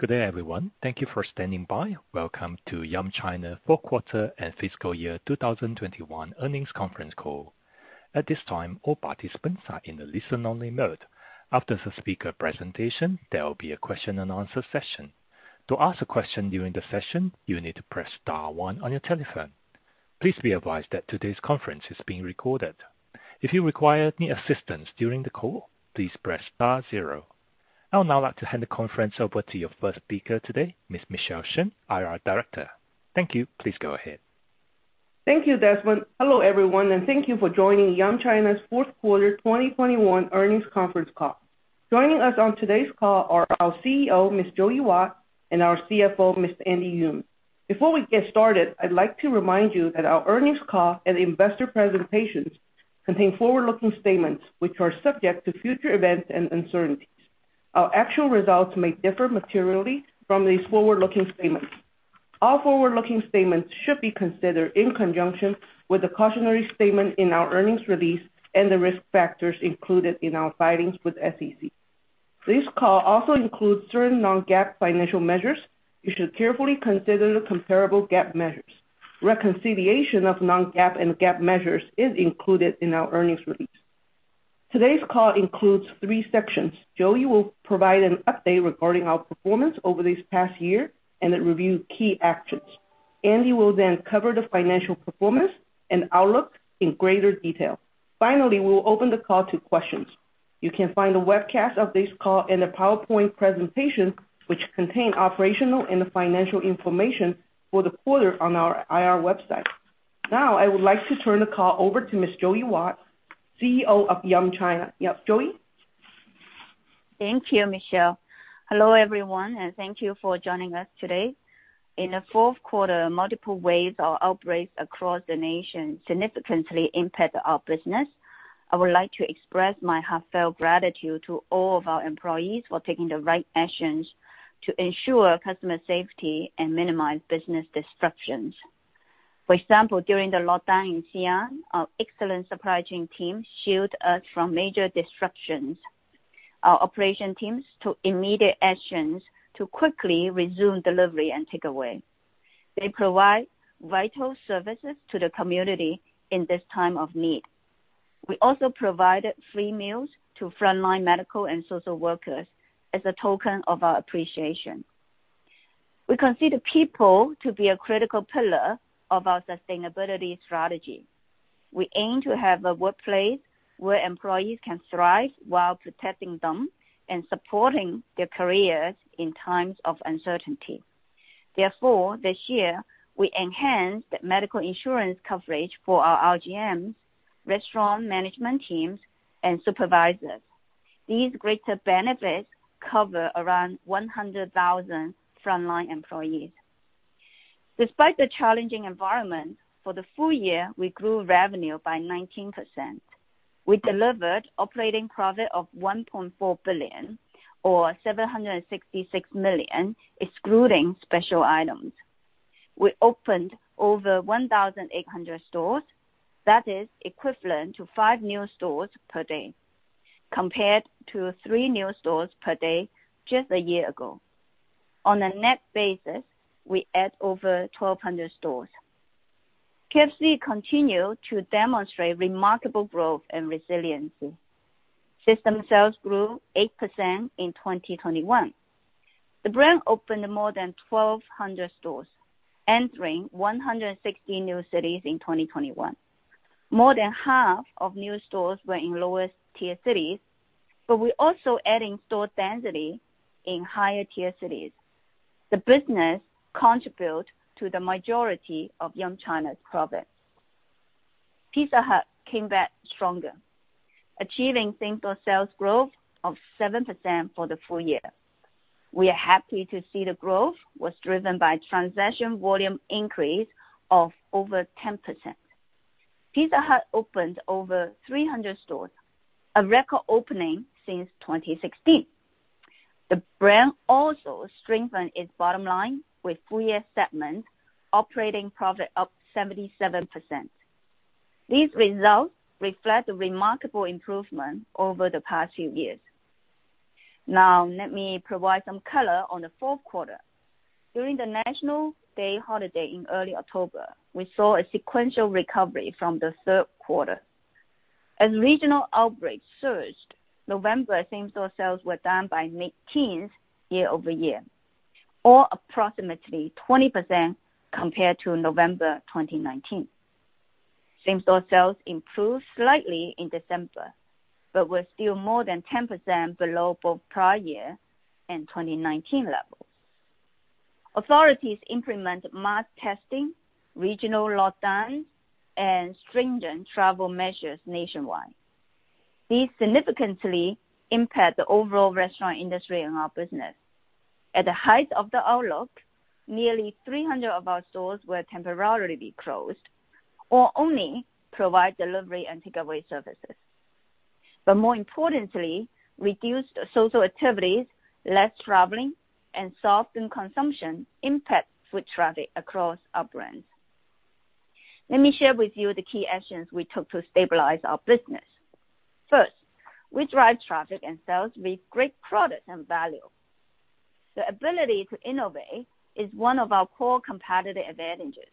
Good day, everyone. Thank you for standing by. Welcome to Yum China Fourth Quarter and Fiscal Year 2021 Earnings Conference Call. At this time, all participants are in a listen-only mode. After the speaker presentation, there will be a question-and-answer session. To ask a question during the session, you need to press star one on your telephone. Please be advised that today's conference is being recorded. If you require any assistance during the call, please press star zero. I would now like to hand the conference over to your first speaker today, Ms. Michelle Shen, IR Director. Thank you. Please go ahead. Thank you, Desmond. Hello, everyone, and thank you for joining Yum China's fourth quarter 2021 earnings conference call. Joining us on today's call are our CEO, Ms. Joey Wat, and our CFO, Mr. Andy Yeung. Before we get started, I'd like to remind you that our earnings call and investor presentations contain forward-looking statements which are subject to future events and uncertainties. Our actual results may differ materially from these forward-looking statements. All forward-looking statements should be considered in conjunction with the cautionary statement in our earnings release and the risk factors included in our filings with SEC. This call also includes certain non-GAAP financial measures. You should carefully consider the comparable GAAP measures. Reconciliation of non-GAAP and GAAP measures is included in our earnings release. Today's call includes three sections. Joey will provide an update regarding our performance over this past year and then review key actions. Andy will then cover the financial performance and outlook in greater detail. Finally, we will open the call to questions. You can find a webcast of this call in a PowerPoint presentation, which contain operational and financial information for the quarter on our IR website. Now, I would like to turn the call over to Ms. Joey Wat, CEO of Yum China. Yep, Joey? Thank you, Michelle. Hello, everyone, and thank you for joining us today. In the fourth quarter, multiple waves or outbreaks across the nation significantly impact our business. I would like to express my heartfelt gratitude to all of our employees for taking the right actions to ensure customer safety and minimize business disruptions. For example, during the lockdown in Xi'an, our excellent supply chain team shield us from major disruptions. Our operation teams took immediate actions to quickly resume delivery and takeaway. They provide vital services to the community in this time of need. We also provided free meals to frontline medical and social workers as a token of our appreciation. We consider people to be a critical pillar of our sustainability strategy. We aim to have a workplace where employees can thrive while protecting them and supporting their careers in times of uncertainty. Therefore, this year, we enhanced the medical insurance coverage for our RGMs, restaurant management teams, and supervisors. These greater benefits cover around 100,000 frontline employees. Despite the challenging environment, for the full year, we grew revenue by 19%. We delivered operating profit of $1.4 billion or $766 million, excluding special items. We opened over 1,800 stores. That is equivalent to five new stores per day, compared to three new stores per day just a year ago. On a net basis, we add over 1,200 stores. KFC continued to demonstrate remarkable growth and resiliency. System sales grew 8% in 2021. The brand opened more than 1,200 stores, entering 160 new cities in 2021. More than half of new stores were in lowest tier cities, but we're also adding store density in higher tier cities. The business contribute to the majority of Yum China's profits. Pizza Hut came back stronger, achieving same-store sales growth of 7% for the full year. We are happy to see the growth was driven by transaction volume increase of over 10%. Pizza Hut opened over 300 stores, a record opening since 2016. The brand also strengthened its bottom line with full year segment operating profit up 77%. These results reflect the remarkable improvement over the past few years. Now, let me provide some color on the fourth quarter. During the National Day holiday in early October, we saw a sequential recovery from the third quarter. As regional outbreaks surged, November same-store sales were down by 19 year-over-year or approximately 20% compared to November 2019. Same-store sales improved slightly in December but were still more than 10% below both prior year and 2019 levels. Authorities implement mass testing, regional lockdowns, and stringent travel measures nationwide. These significantly impact the overall restaurant industry and our business. At the height of the outlook, nearly 300 of our stores were temporarily closed or only provide delivery and takeaway services. More importantly, reduced social activities, less traveling, and softened consumption impact foot traffic across our brands. Let me share with you the key actions we took to stabilize our business. First, we drive traffic and sales with great product and value. The ability to innovate is one of our core competitive advantages.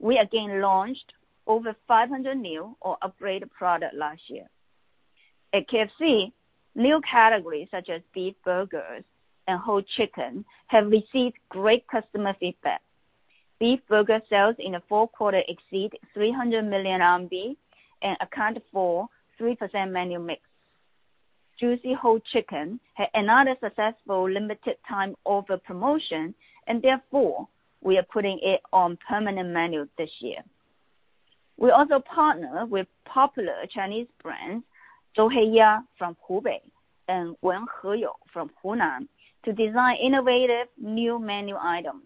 We again launched over 500 new or upgraded product last year. At KFC, new categories such as beef burgers and whole chicken have received great customer feedback. Beef burger sales in a fourth quarter exceed 300 million RMB and account for 3% menu mix. Juicy whole chicken, another successful limited time offer promotion, and therefore, we are putting it on permanent menu this year. We also partner with popular Chinese brands Zhou Hei Ya from Hubei and Wenheyou from Hunan to design innovative new menu items.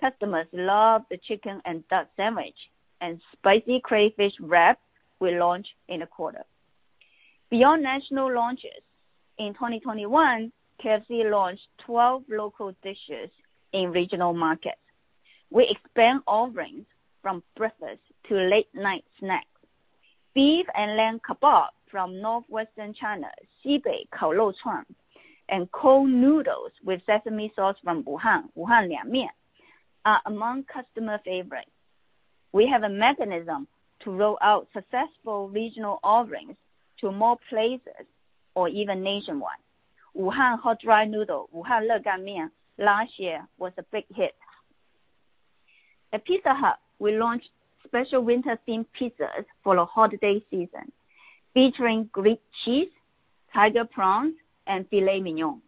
Customers love the chicken and duck sandwich, and spicy crayfish wrap we launched in the quarter. Beyond national launches, in 2021, KFC launched 12 local dishes in regional markets. We expand offerings from breakfast to late night snacks. Beef and lamb kebab from Northwestern China, Xibei kaorou chuan, and cold noodles with sesame sauce from Wuhan liangmian, are among customer favorites. We have a mechanism to roll out successful regional offerings to more places or even nationwide. Wuhan hot dry noodle, Wuhan reganmian, last year was a big hit. At Pizza Hut, we launched special winter theme pizzas for the holiday season featuring Greek cheese, tiger prawns, and filet mignon.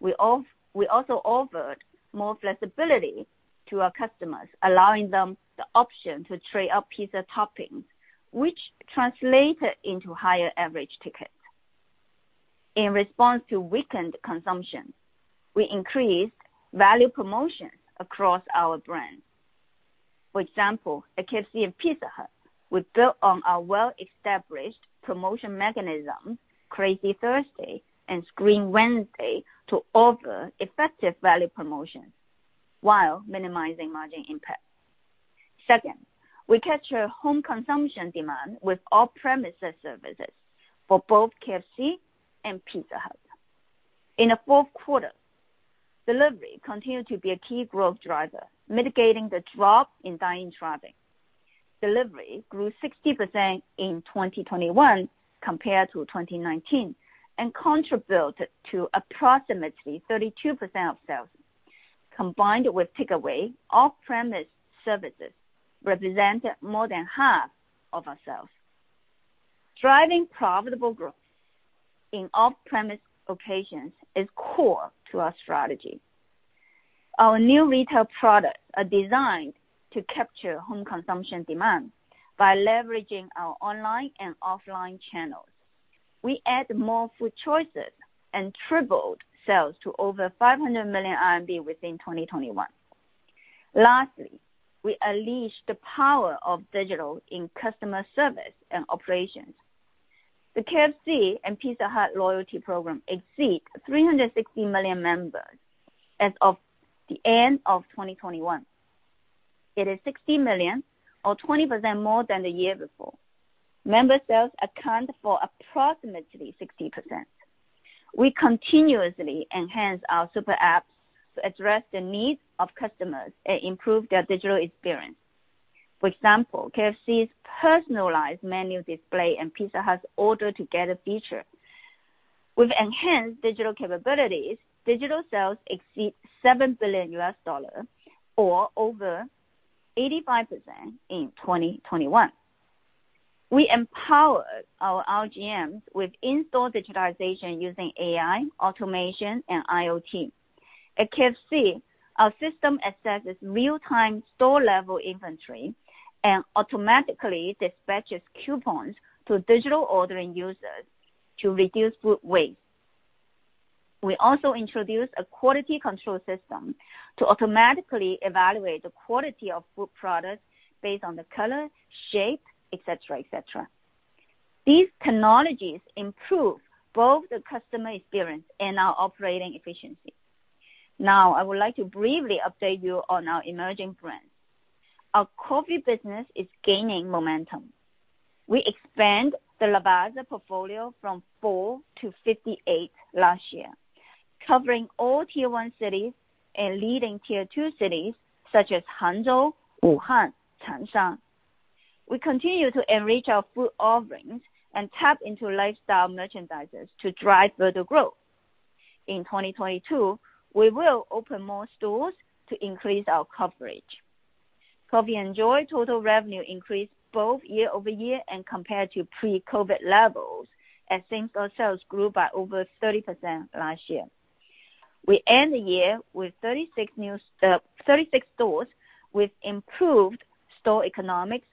We also offered more flexibility to our customers, allowing them the option to trade up pizza toppings, which translated into higher average ticket. In response to weakened consumption, we increased value promotions across our brands. For example, at KFC and Pizza Hut, we built on our well-established promotion mechanism, Crazy Thursday and Scream Wednesday to offer effective value promotions while minimizing margin impact. Second, we capture home consumption demand with off-premises services for both KFC and Pizza Hut. In the fourth quarter, delivery continued to be a key growth driver, mitigating the drop in dine-in traffic. Delivery grew 60% in 2021 compared to 2019 and contributed to approximately 32% of sales. Combined with takeaway, off-premise services represented more than half of our sales. Driving profitable growth in off-premise occasions is core to our strategy. Our new retail products are designed to capture home consumption demand by leveraging our online and offline channels. We add more food choices and tripled sales to over 500 million RMB within 2021. Lastly, we unleashed the power of digital in customer service and operations. The KFC and Pizza Hut loyalty program exceeds 360 million members as of the end of 2021. It is $60 million or 20% more than the year before. Member sales account for approximately 60%. We continuously enhance our super apps to address the needs of customers and improve their digital experience. For example, KFC's personalized menu display and Pizza Hut's order together feature. With enhanced digital capabilities, digital sales exceed $7 billion or over 85% in 2021. We empowered our RGMs with in-store digitization using AI, automation, and IoT. At KFC, our system assesses real-time store-level inventory and automatically dispatches coupons to digital ordering users to reduce food waste. We also introduced a quality control system to automatically evaluate the quality of food products based on the color, shape, et cetera, et cetera. These technologies improve both the customer experience and our operating efficiency. Now, I would like to briefly update you on our emerging brands. Our coffee business is gaining momentum. We expand the Lavazza portfolio from four to 58 last year, covering all tier-one cities and leading tier-two cities such as Hangzhou, Wuhan, Changsha. We continue to enrich our food offerings and tap into lifestyle merchandisers to drive further growth. In 2022, we will open more stores to increase our coverage. COFFii & JOY total revenue increased both year-over-year and compared to pre-COVID levels as same-store sales grew by over 30% last year. We end the year with 36 new stores with improved store economics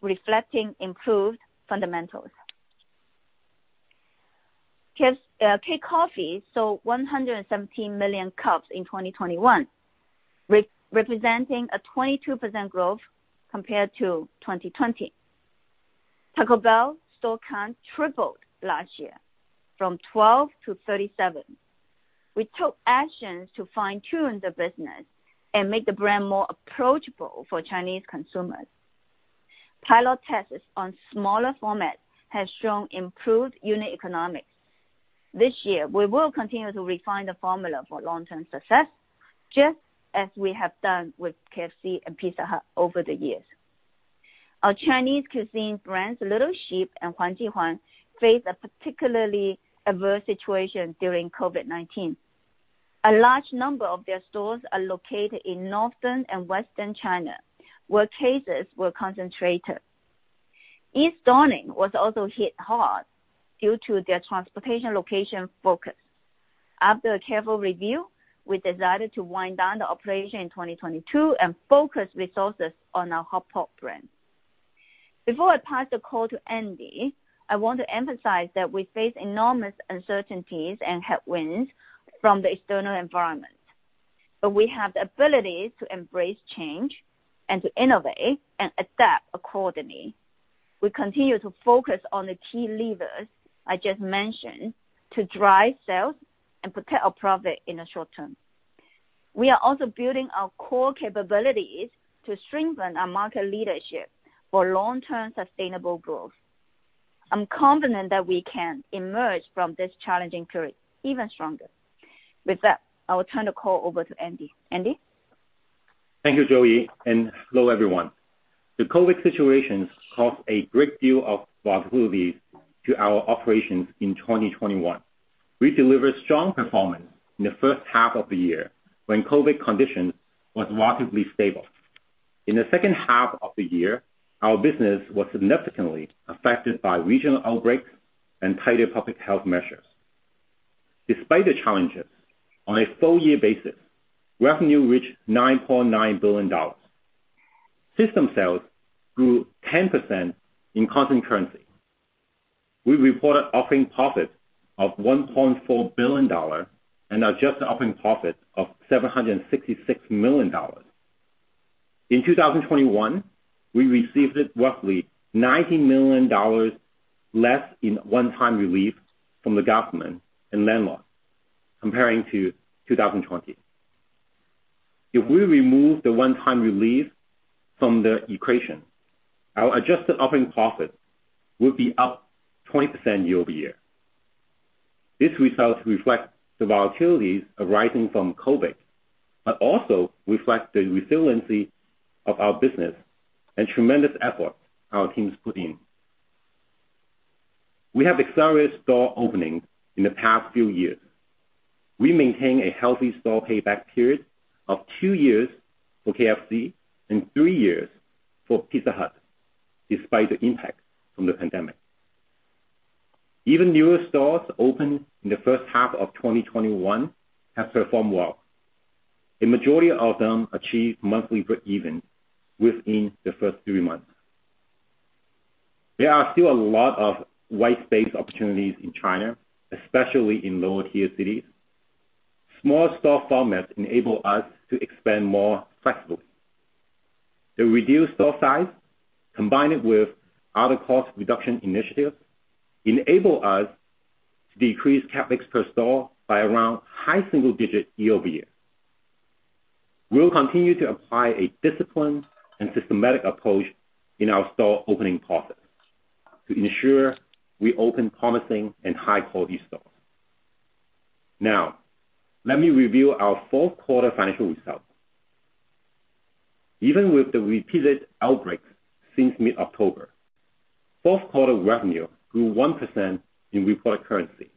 reflecting improved fundamentals. KFC KCOFFEE sold 117 million cups in 2021, representing a 22% growth compared to 2020. Taco Bell store count tripled last year from 12 to 37. We took actions to fine-tune the business and make the brand more approachable for Chinese consumers. Pilot tests on smaller formats has shown improved unit economics. This year, we will continue to refine the formula for long-term success, just as we have done with KFC and Pizza Hut over the years. Our Chinese cuisine brands Little Sheep and Huang Ji Huang faced a particularly adverse situation during COVID-19. A large number of their stores are located in northern and western China, where cases were concentrated. East Dawning was also hit hard due to their transportation location focus. After a careful review, we decided to wind down the operation in 2022 and focus resources on our Hot Pot brand. Before I pass the call to Andy, I want to emphasize that we face enormous uncertainties and headwinds from the external environment, but we have the ability to embrace change and to innovate and adapt accordingly. We continue to focus on the key levers I just mentioned to drive sales and protect our profit in the short term. We are also building our core capabilities to strengthen our market leadership for long-term sustainable growth. I'm confident that we can emerge from this challenging period even stronger. With that, I will turn the call over to Andy. Andy? Thank you, Joey, and hello, everyone. The COVID situation caused a great deal of volatility to our operations in 2021. We delivered strong performance in the first half of the year when COVID condition was relatively stable. In the second half of the year, our business was significantly affected by regional outbreaks and tighter public health measures. Despite the challenges, on a full year basis, revenue reached $9.9 billion. System sales grew 10% in constant currency. We reported operating profit of $1.4 billion and adjusted operating profit of $766 million. In 2021, we received roughly $90 million less in one-time relief from the government and landlords compared to 2020. If we remove the one-time relief from the equation, our adjusted operating profit would be up 20% year-over-year. This result reflects the volatilities arising from COVID, but also reflects the resiliency of our business and tremendous effort our team has put in. We have accelerated store openings in the past few years. We maintain a healthy store payback period of two years for KFC and three years for Pizza Hut, despite the impact from the pandemic. Even newer stores opened in the first half of 2021 have performed well. The majority of them achieved monthly breakeven within the first three months. There are still a lot of white space opportunities in China, especially in lower-tier cities. Small store formats enable us to expand more flexibly. The reduced store size, combined with other cost reduction initiatives, enable us to decrease CapEx per store by around high single digits year-over-year. We will continue to apply a disciplined and systematic approach in our store opening process to ensure we open promising and high-quality stores. Now, let me review our fourth quarter financial results. Even with the repeated outbreaks since mid-October, fourth quarter revenue grew 1% in reported currency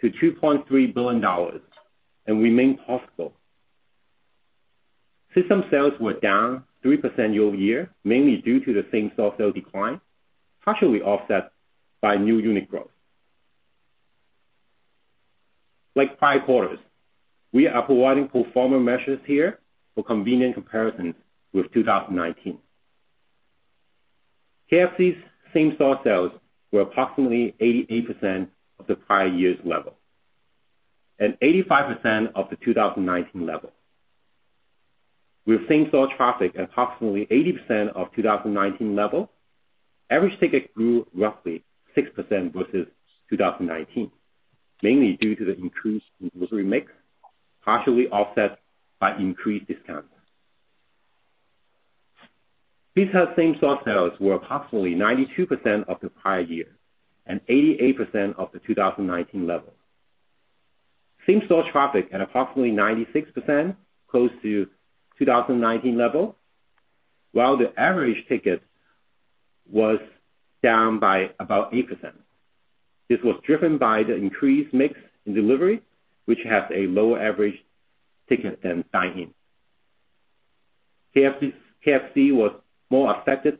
to $2.3 billion and remained profitable. System sales were down 3% year-over-year, mainly due to the same-store sales decline, partially offset by new unit growth. Like prior quarters, we are providing pro forma measures here for convenient comparison with 2019. KFC's same-store sales were approximately 88% of the prior year's level and 85% of the 2019 level. With same-store traffic approximately 80% of 2019 level, average ticket grew roughly 6% versus 2019, mainly due to the increased mix, partially offset by increased discounts. Pizza Hut same-store sales were approximately 92% of the prior year and 88% of the 2019 level. Same-store traffic at approximately 96%, close to 2019 level. While the average ticket was down by about 8%. This was driven by the increased mix in delivery, which has a lower average ticket than dine-in. KFC was more affected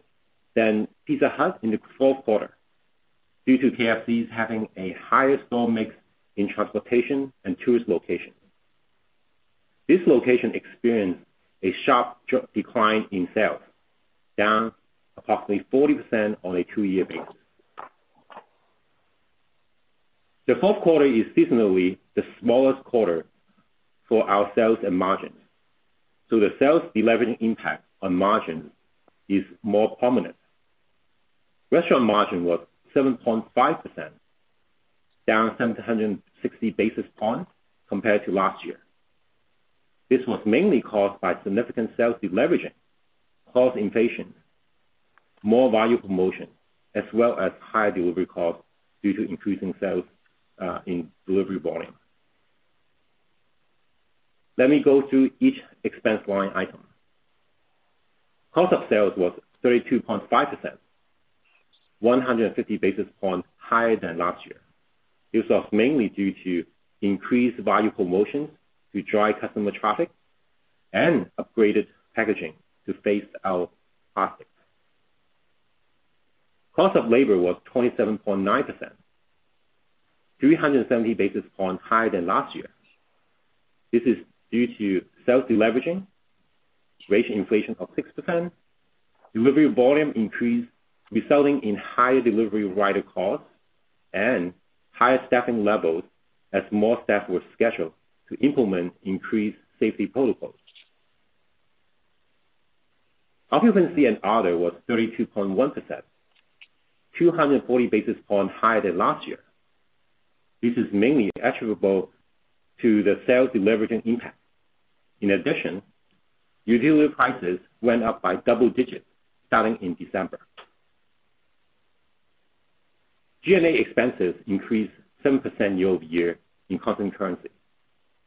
than Pizza Hut in the fourth quarter due to KFC's having a higher store mix in transportation and tourist locations. This location experienced a sharp decline in sales, down approximately 40% on a two-year basis. The fourth quarter is seasonally the smallest quarter for our sales and margins, so the sales deleveraging impact on margins is more prominent. Restaurant margin was 7.5%, down 760 basis points compared to last year. This was mainly caused by significant sales deleveraging, cost inflation, more value promotion, as well as higher delivery costs due to increasing sales in delivery volume. Let me go through each expense line item. Cost of sales was 32.5%, 150 basis points higher than last year. This was mainly due to increased value promotions to drive customer traffic and upgraded packaging to phase out plastic. Cost of labor was 27.9%, 370 basis points higher than last year. This is due to sales deleveraging, wage inflation of 6%, delivery volume increase, resulting in higher delivery rider costs and higher staffing levels as more staff were scheduled to implement increased safety protocols. Occupancy and other was 32.1%, 240 basis points higher than last year. This is mainly attributable to the sales deleveraging impact. In addition, utility prices went up by double digits starting in December. G&A expenses increased 7% year-over-year in constant currency,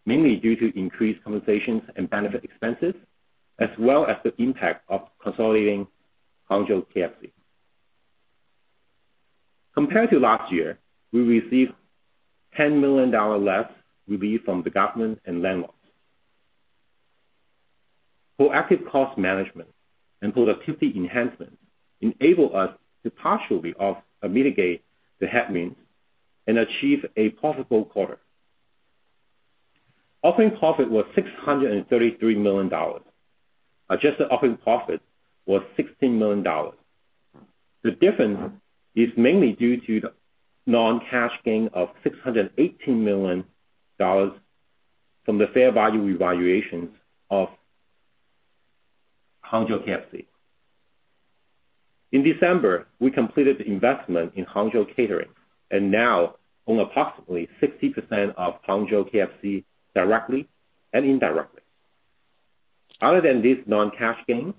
mainly due to increased compensations and benefit expenses, as well as the impact of consolidating Hangzhou KFC. Compared to last year, we received $10 million less relief from the government and landlords. Proactive cost management and productivity enhancement enable us to partially mitigate the headwinds and achieve a profitable quarter. Operating profit was $633 million. Adjusted operating profit was $16 million. The difference is mainly due to the non-cash gain of $618 million from the fair value evaluations of Hangzhou KFC. In December, we completed the investment in Hangzhou Catering and now own approximately 60% of Hangzhou KFC directly and indirectly. Other than this non-cash gain,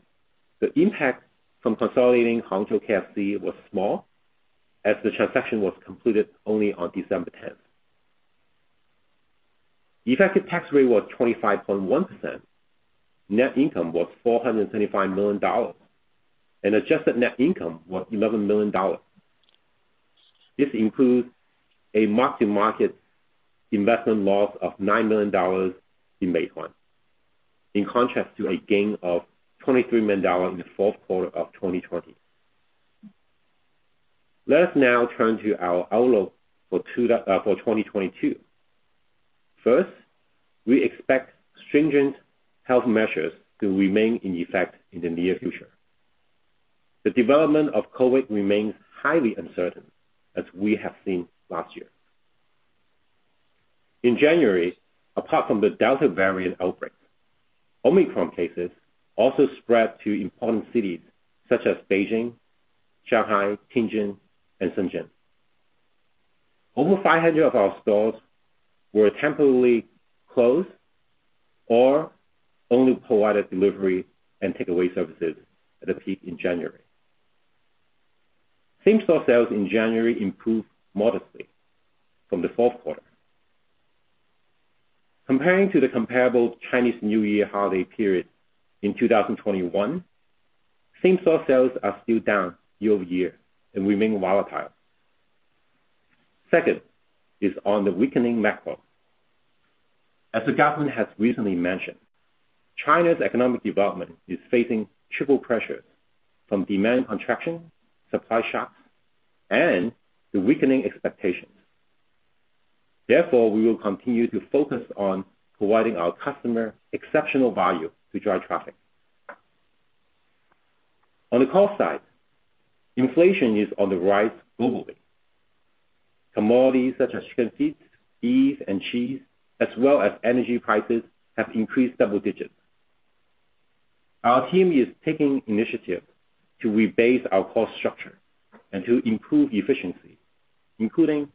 the impact from consolidating Hangzhou KFC was small, as the transaction was completed only on December 10. Effective tax rate was 25.1%. Net income was $425 million, and adjusted net income was $11 million. This includes a mark-to-market investment loss of $9 million in Meituan, in contrast to a gain of $23 million in the fourth quarter of 2020. Let us now turn to our outlook for 2022. First, we expect stringent health measures to remain in effect in the near future. The development of COVID remains highly uncertain, as we have seen last year. In January, apart from the Delta variant outbreak, Omicron cases also spread to important cities such as Beijing, Shanghai, Tianjin, and Shenzhen. Over 500 of our stores were temporarily closed or only provided delivery and takeaway services at the peak in January. Same-store sales in January improved modestly from the fourth quarter. Comparing to the comparable Chinese New Year holiday period in 2021, same-store sales are still down year-over-year and remain volatile. Second is on the weakening macro. As the government has recently mentioned, China's economic development is facing triple pressure from demand contraction, supply shocks, and the weakening expectations. Therefore, we will continue to focus on providing our customer exceptional value to drive traffic. On the cost side, inflation is on the rise globally. Commodities such as chicken feet, beef, and cheese, as well as energy prices have increased double digits. Our team is taking initiative to rebase our cost structure and to improve efficiency, including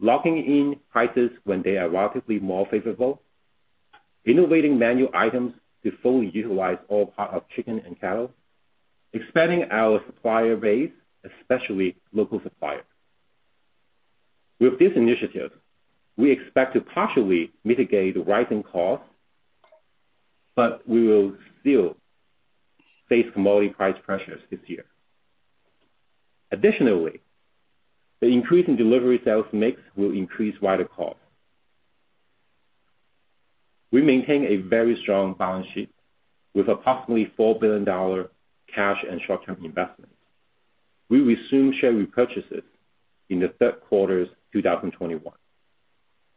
locking in prices when they are relatively more favorable, innovating menu items to fully utilize all parts of chicken and cattle, expanding our supplier base, especially local suppliers. With this initiative, we expect to partially mitigate the rising costs, but we will still face commodity price pressures this year. Additionally, the increase in delivery sales mix will increase rider costs. We maintain a very strong balance sheet with approximately $4 billion cash and short-term investments. We resumed share repurchases in the third quarter of 2021.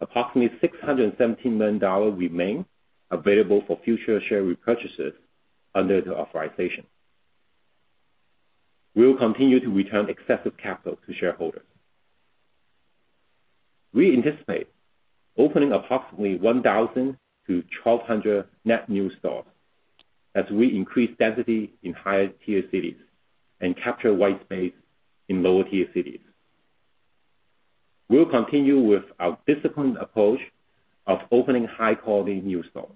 Approximately $617 million remain available for future share repurchases under the authorization. We will continue to return excessive capital to shareholders. We anticipate opening approximately 1,000-1,200 net new stores as we increase density in higher tier cities and capture white space in lower tier cities. We'll continue with our disciplined approach of opening high-quality new stores.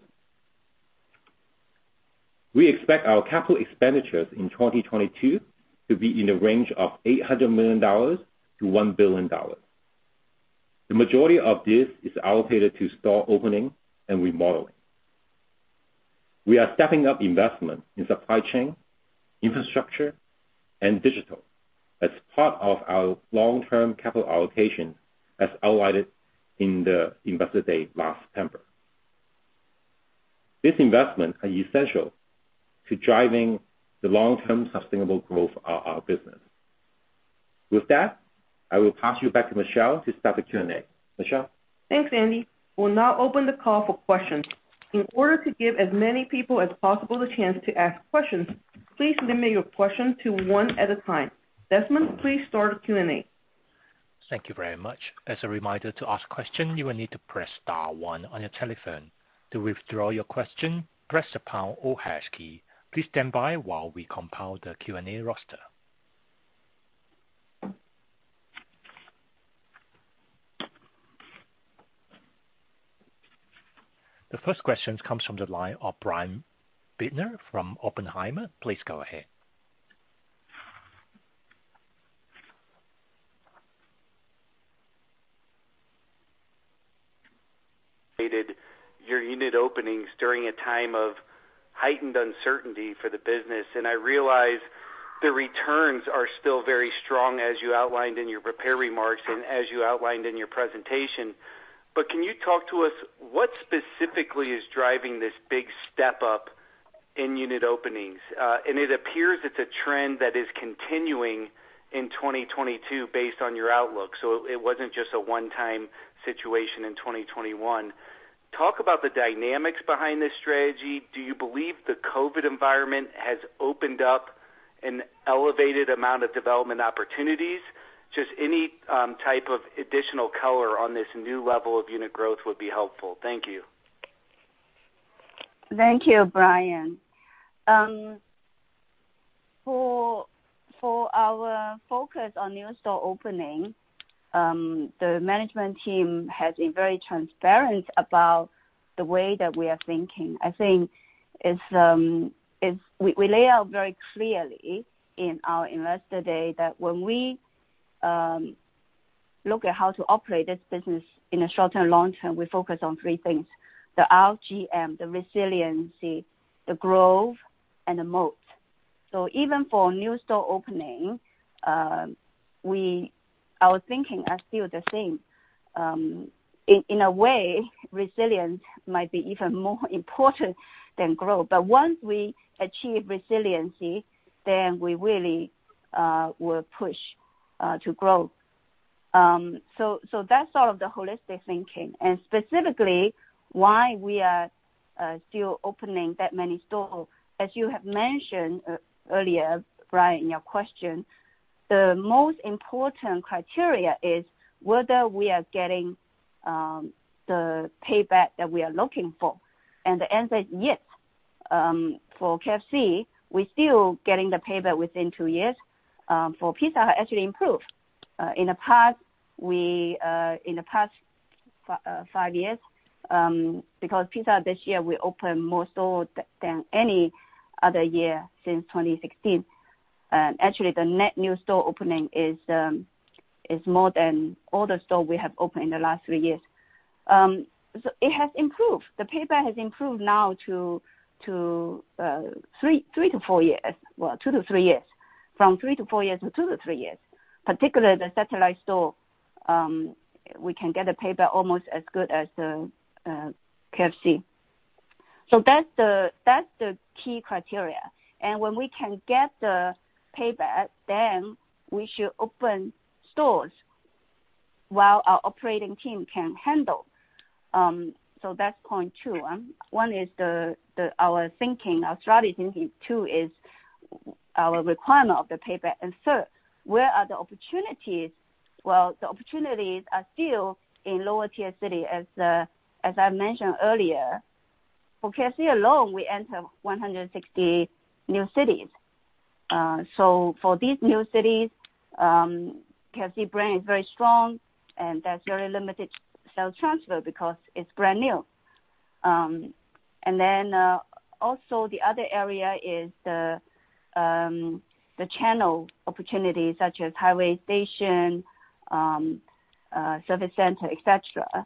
We expect our capital expenditures in 2022 to be in the range of $800 million-$1 billion. The majority of this is allocated to store opening and remodeling. We are stepping up investment in supply chain, infrastructure, and digital as part of our long-term capital allocation, as outlined in the Investor Day last September. These investments are essential to driving the long-term sustainable growth of our business. With that, I will pass you back to Michelle to start the Q&A. Michelle? Thanks, Andy. We'll now open the call for questions. In order to give as many people as possible the chance to ask questions, please limit your questions to one at a time. Desmond, please start the Q&A. Thank you very much. As a reminder, to ask a question, you will need to press star one on your telephone. To withdraw your question, press the pound or hash key. Please stand by while we compile the Q&A roster. The first question comes from the line of Brian Bittner from Oppenheimer. Please go ahead. Your unit openings during a time of heightened uncertainty for the business. I realize the returns are still very strong, as you outlined in your prepared remarks and as you outlined in your presentation. Can you talk to us, what specifically is driving this big step up in unit openings? It appears it's a trend that is continuing in 2022 based on your outlook, so it wasn't just a one-time situation in 2021. Talk about the dynamics behind this strategy. Do you believe the COVID environment has opened up an elevated amount of development opportunities? Just any type of additional color on this new level of unit growth would be helpful. Thank you. Thank you, Brian. For our focus on new store opening, the management team has been very transparent about the way that we are thinking. I think it's we lay out very clearly in our Investor Day that when we look at how to operate this business in a short-term, long-term, we focus on three things, the RGM, the resiliency, the growth and the moat. Even for new store opening, our thinking are still the same. In a way, resilience might be even more important than growth. Once we achieve resiliency, then we really will push to growth. That's sort of the holistic thinking and specifically why we are still opening that many stores. As you have mentioned earlier, Brian, in your question, the most important criteria is whether we are getting the payback that we are looking for. The answer is yes. For KFC, we're still getting the payback within two years. For Pizza Hut, actually improved in the past five years because Pizza Hut this year will open more stores than any other year since 2016. Actually, the net new store opening is more than all the stores we have opened in the last three years. It has improved. The payback has improved now to three to four years. Well, two to three years. From three to four years to two to three years. Particularly the satellite store, we can get a payback almost as good as KFC. That's the key criteria. When we can get the payback, then we should open stores while our operating team can handle. That's point two. One is our thinking, our strategy. Two is our requirement of the payback. Third, where are the opportunities? Well, the opportunities are still in lower tier city as I mentioned earlier. For KFC alone, we enter 160 new cities. For these new cities, KFC brand is very strong, and there's very limited sales transfer because it's brand new. Then, also the other area is the channel opportunities such as highway station, service center, et cetera.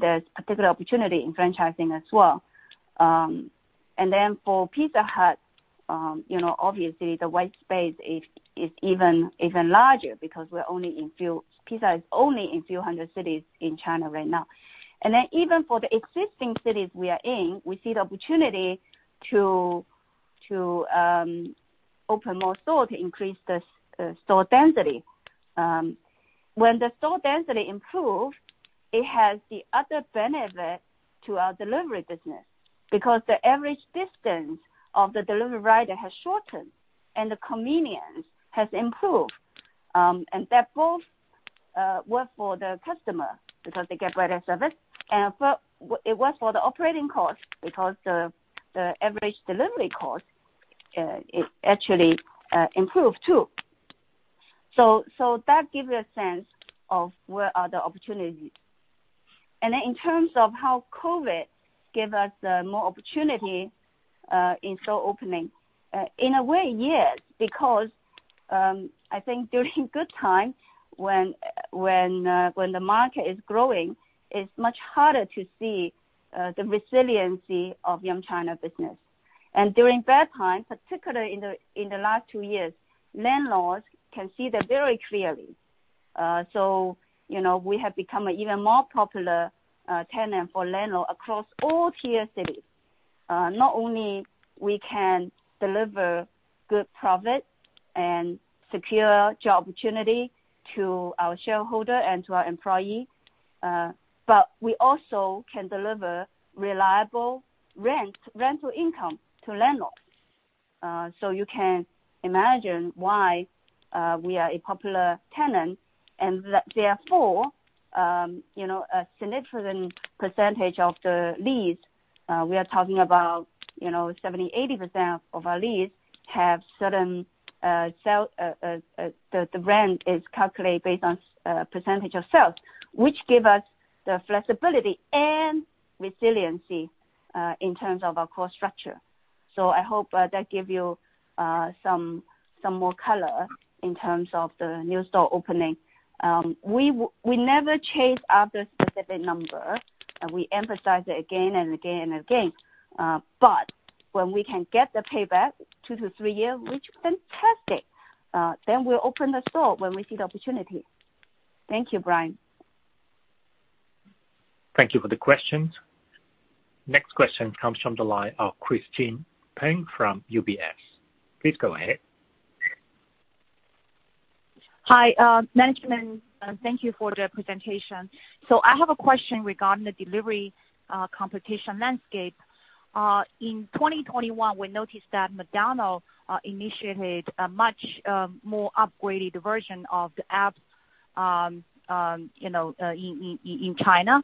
There's particular opportunity in franchising as well. Then for Pizza Hut, you know, obviously the white space is even larger because Pizza Hut is only in a few hundred cities in China right now. Even for the existing cities we are in, we see the opportunity to open more stores to increase the store density. When the store density improves, it has the other benefit to our delivery business, because the average distance of the delivery rider has shortened and the convenience has improved. And that both work for the customer because they get better service, and for it works for the operating costs because the average delivery cost is actually improved too. That gives you a sense of where are the opportunities. In terms of how COVID gave us more opportunity in store opening, in a way, yes, because I think during good times, when the market is growing, it's much harder to see the resiliency of Yum China business. During bad times, particularly in the last two years, landlords can see that very clearly. You know, we have become an even more popular tenant for landlord across all tier cities. Not only we can deliver good profit and secure job opportunity to our shareholder and to our employee, but we also can deliver reliable rent, rental income to landlords. You can imagine why we are a popular tenant, and therefore, you know, a significant percentage of the lease we are talking about, you know, 70%, 80% of our lease have certain sales, the rent is calculated based on percentage of sales, which give us the flexibility and resiliency in terms of our cost structure. I hope that give you some more color in terms of the new store opening. We never chase other specific numbers, and we emphasize it again and again and again. But when we can get the payback two to three years, which is fantastic, then we'll open the store when we see the opportunity. Thank you, Brian. Thank you for the questions. Next question comes from the line of Christine Peng from UBS. Please go ahead. Hi, management, thank you for the presentation. I have a question regarding the delivery competition landscape. In 2021, we noticed that McDonald's initiated a much more upgraded version of the app, you know, in China,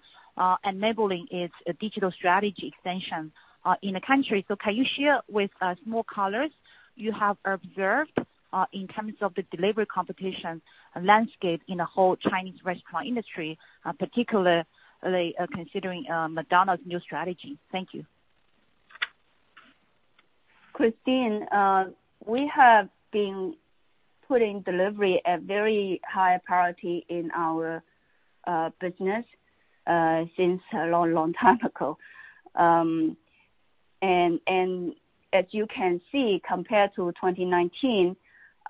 enabling its digital strategy expansion in the country. Can you share with us more colors you have observed in terms of the delivery competition landscape in the whole Chinese restaurant industry, particularly considering McDonald's new strategy? Thank you. Christine, we have been putting delivery at very high priority in our business since a long, long time ago. As you can see, compared to 2019,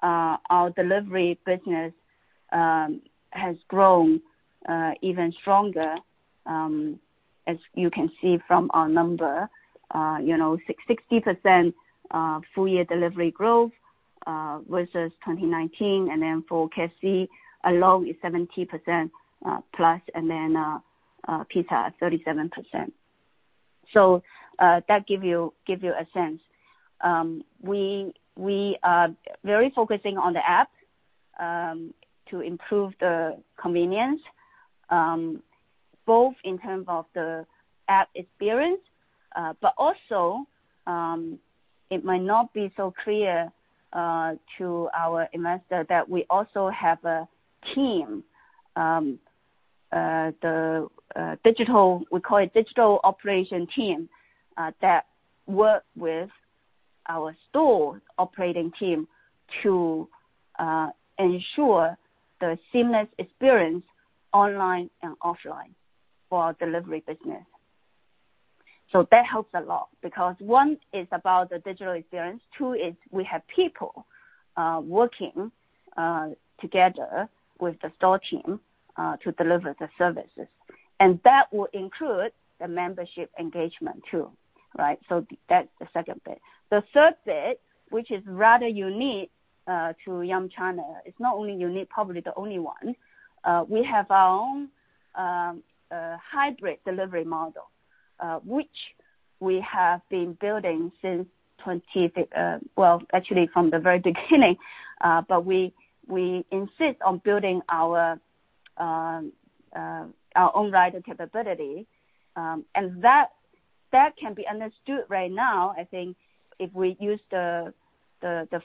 our delivery business has grown even stronger, as you can see from our number. You know, 660% full year delivery growth versus 2019. For KFC alone is 70%+, and then Pizza Hut, 37%. That give you a sense. We are very focusing on the app to improve the convenience both in terms of the app experience, but also, it might not be so clear to our investor that we also have a team, the digital... We call it digital operation team that work with our store operating team to ensure the seamless experience online and offline for our delivery business. That helps a lot because one is about the digital experience. Two is we have people working together with the store team to deliver the services. That will include the membership engagement too, right? That's the second bit. The third bit, which is rather unique to Yum China, it's not only unique, probably the only one. We have our own hybrid delivery model, which we have been building, well, actually from the very beginning, but we insist on building our own rider capability. That can be understood right now, I think if we use the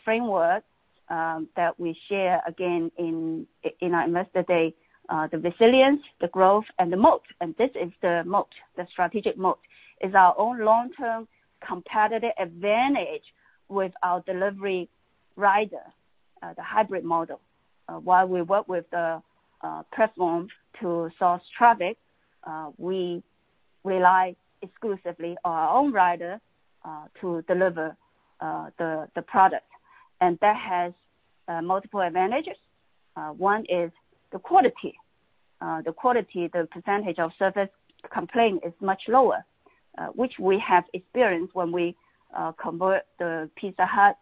framework that we share again in our Investor Day, the resilience, the growth and the moat. This is the moat, the strategic moat, is our own long-term competitive advantage with our delivery rider, the hybrid model. While we work with the platform to source traffic, we rely exclusively on our own rider to deliver the product. That has multiple advantages. One is the quality. The quality, the percentage of service complaint is much lower, which we have experienced when we convert the Pizza Hut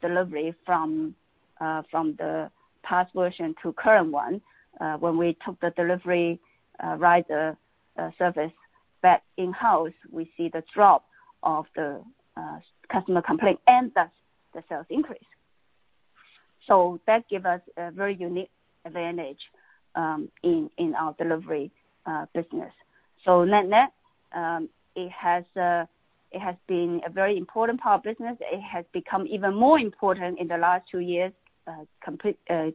delivery from the past version to current one. When we took the delivery rider service back in-house, we see the drop of the customer complaint and thus the sales increase. That give us a very unique advantage in our delivery business. Net-net, it has been a very important part of business. It has become even more important in the last two years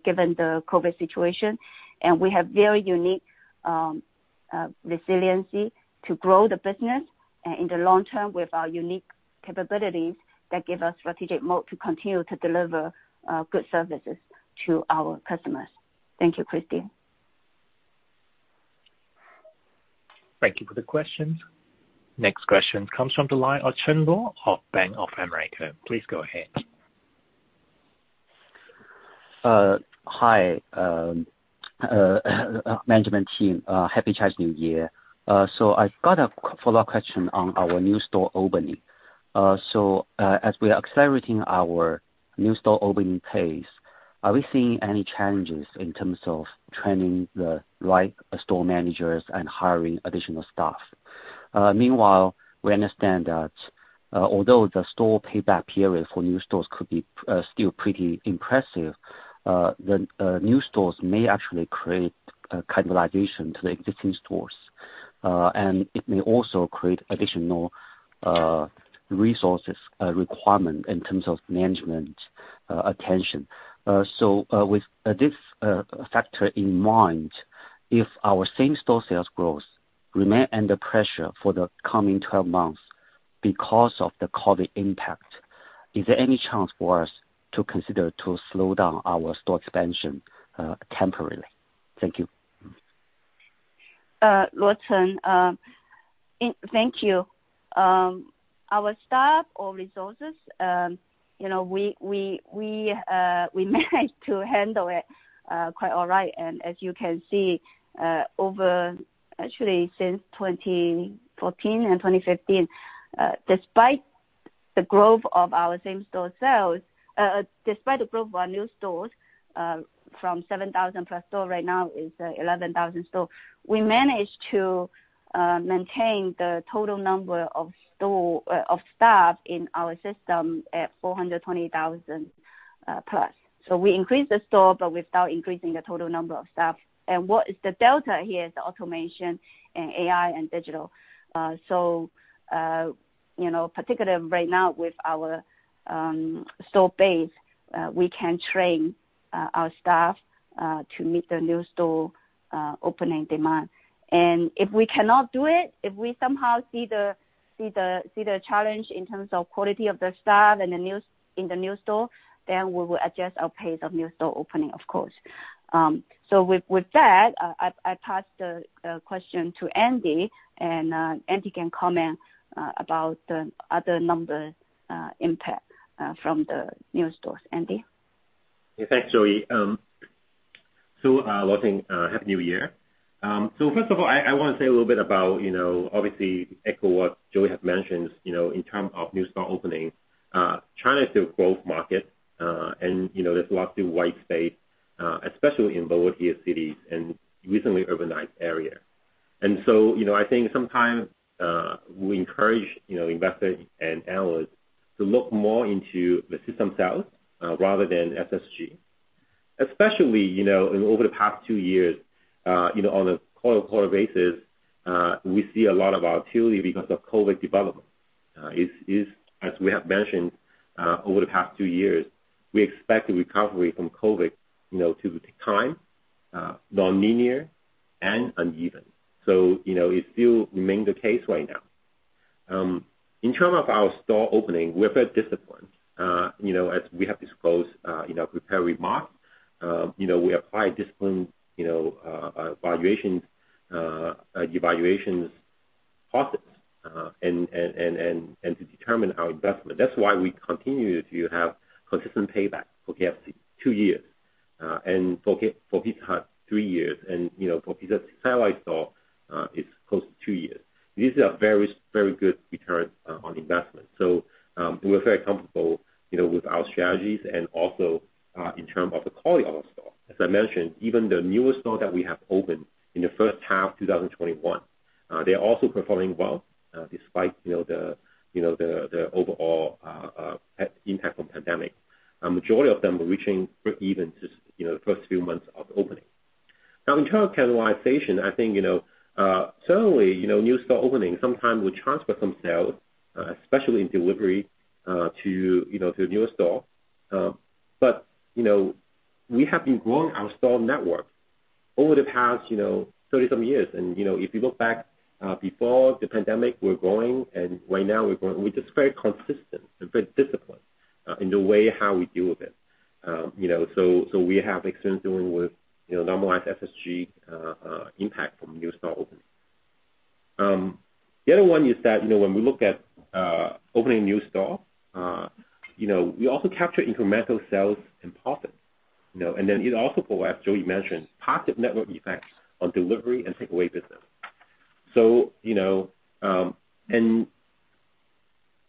given the COVID situation. We have very unique resiliency to grow the business, and in the long term with our unique capabilities that give us strategic moat to continue to deliver good services to our customers. Thank you, Christine. Thank you for the question. Next question comes from the line of Chen Luo of Bank of America. Please go ahead. Hi, management team. Happy Chinese New Year. I've got a follow-up question on our new store opening. As we are accelerating our new store opening pace, are we seeing any challenges in terms of training the right store managers and hiring additional staff? Meanwhile, we understand that although the store payback period for new stores could be still pretty impressive, the new stores may actually create a cannibalization to the existing stores. It may also create additional resources requirement in terms of management attention. With this factor in mind, if our same-store sales growth remain under pressure for the coming 12 months because of the COVID impact, is there any chance for us to consider to slow down our store expansion, temporarily? Thank you. Luo Chen, thank you. Our staff or resources, you know, we manage to handle it quite all right. As you can see, over actually since 2014 and 2015, despite the growth of our same-store sales. Despite the growth of our new stores, from 7,000+ stores right now is 11,000 stores, we managed to maintain the total number of stores of staff in our system at 420,000+. We increased the stores, but without increasing the total number of staff. What is the delta here is automation and AI and digital. You know, particularly right now with our store base, we can train our staff to meet the new store opening demand. If we cannot do it, if we somehow see the challenge in terms of quality of the staff in the new store, then we will adjust our pace of new store opening, of course. With that, I pass the question to Andy, and Andy can comment about the other numbers impact from the new stores. Andy? Yeah. Thanks, Joey. So, Luo Chen, happy New Year. So first of all, I wanna say a little bit about, you know, obviously echo what Joey has mentioned, you know, in terms of new store openings. China is still growth market. And, you know, there's lots of white space, especially in lower tier cities and recently urbanized area. I think sometimes, we encourage, you know, investors and analysts to look more into the system sales, rather than SSG. Especially, you know, in over the past two years, you know, on a quarter-on-quarter basis, we see a lot of volatility because of COVID development. As we have mentioned, over the past two years, we expect the recovery from COVID, you know, to take time, non-linear and uneven. You know, it still remains the case right now. In terms of our store opening, we're very disciplined. You know, as we have disclosed in our prepared remarks, you know, we apply discipline, you know, valuations process, and to determine our investment. That's why we continue to have consistent payback for KFC, two years. For Pizza Hut, three years. You know, for Pizza Hut satellite store, it's close to two years. These are very good return on investment. We're very comfortable, you know, with our strategies and also in terms of the quality of our store. As I mentioned, even the newest store that we have opened in the first half of 2021, they are also performing well, despite, you know, the overall impact from pandemic. Majority of them are reaching breakeven just, you know, first few months of opening. Now, in terms of cannibalization, I think, you know, certainly, you know, new store opening sometimes will transfer some sales, especially in delivery, to, you know, the newer store. But, you know, we have been growing our store network over the past, you know, 30 some years. If you look back, before the pandemic, we're growing, and right now we're growing. We're just very consistent and very disciplined, in the way how we deal with it. You know, we have experienced dealing with, you know, normalized SSG impact from new store opening. The other one is that, you know, when we look at opening a new store, you know, we also capture incremental sales and profits, you know. It also provides, Joey mentioned, positive network effects on delivery and takeaway business.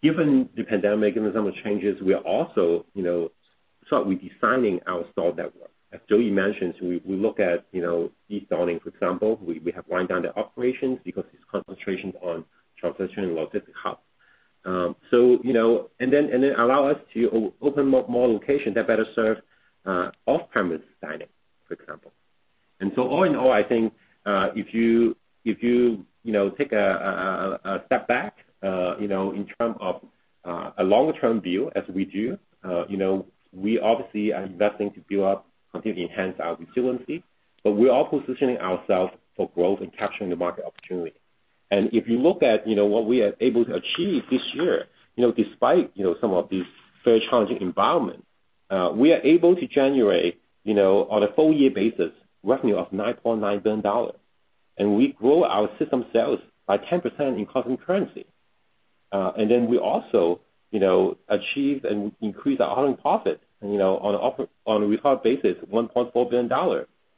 Given the pandemic and some of changes, we are also, you know, start redefining our store network. As Joey mentioned, we look at, you know, East Dawning, for example. We have wind down the operations because its concentration on short-term logistics hub. It allows us to open more locations that better serve off-premise dining, for example. All in all, I think, if you you know take a step back you know in terms of a longer-term view as we do you know we obviously are investing to build up continue to enhance our resiliency. We are positioning ourselves for growth and capturing the market opportunity. If you look at you know what we are able to achieve this year you know despite you know some of these very challenging environments, we are able to generate you know on a full year basis revenue of $9.9 billion. We grow our system sales by 10% in constant currency. We also you know achieve and increase our operating profit you know on a record basis $1.4 billion.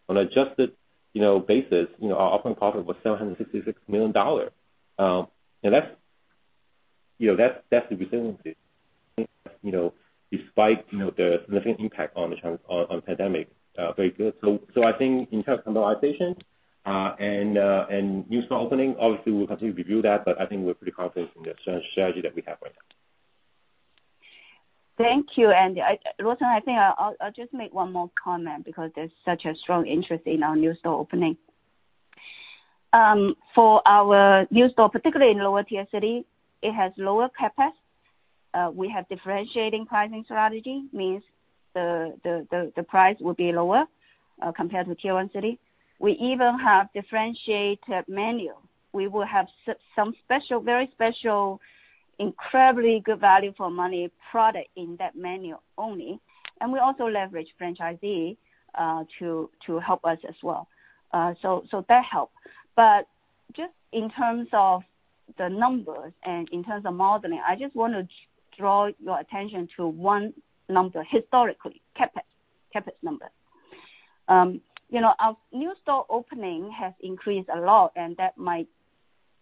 On adjusted basis, you know, our operating profit was $766 million. That's the resiliency, you know, despite the significant impact on the pandemic, very good. I think in terms of normalization and new store opening, obviously we'll continue to review that, but I think we're pretty confident in the strategy that we have right now. Thank you, Andy. Luo Chen, I think I'll just make one more comment because there's such a strong interest in our new store opening. For our new store, particularly in lower tier city, it has lower CapEx. We have differentiating pricing strategy, means the price will be lower compared to tier one city. We even have differentiated menu. We will have some special, very special, incredibly good value for money product in that menu only. We also leverage franchisee to help us as well. So that help. Just in terms of the numbers and in terms of modeling, I just wanna draw your attention to one number historically, CapEx number. You know, our new store opening has increased a lot, and that might,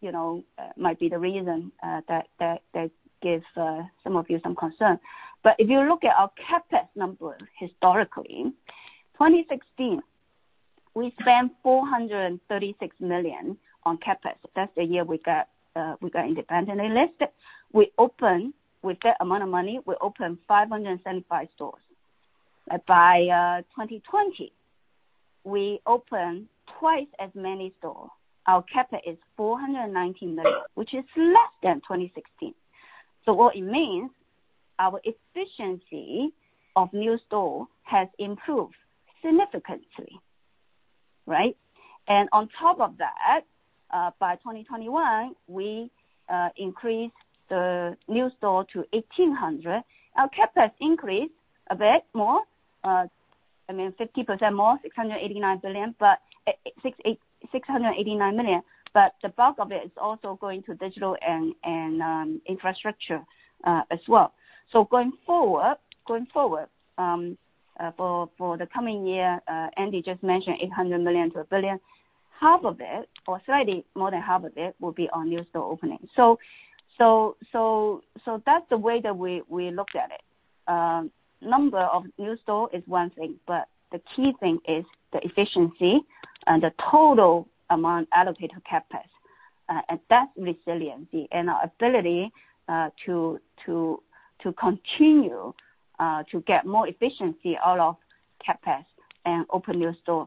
you know, might be the reason that gives some of you some concern. If you look at our CapEx numbers historically, 2016, we spent $436 million on CapEx. That's the year we got independently listed. We opened with that amount of money; we opened 575 stores. By 2020, we opened twice as many stores. Our CapEx is $419 million, which is less than 2016. What it means, our efficiency of new store has improved significantly, right? On top of that, by 2021, we increased the new store to 1,800. Our CapEx increased a bit more, I mean 50% more, $689 million. The bulk of it is also going to digital and infrastructure as well. Going forward, for the coming year, Andy just mentioned $800 million-$1 billion. Half of it, or already more than half of it will be on new store opening. That's the way that we looked at it. Number of new stores is one thing, but the key thing is the efficiency, and the total amount allocated CapEx. That's resiliency and our ability to continue to get more efficiency out of CapEx and open new store.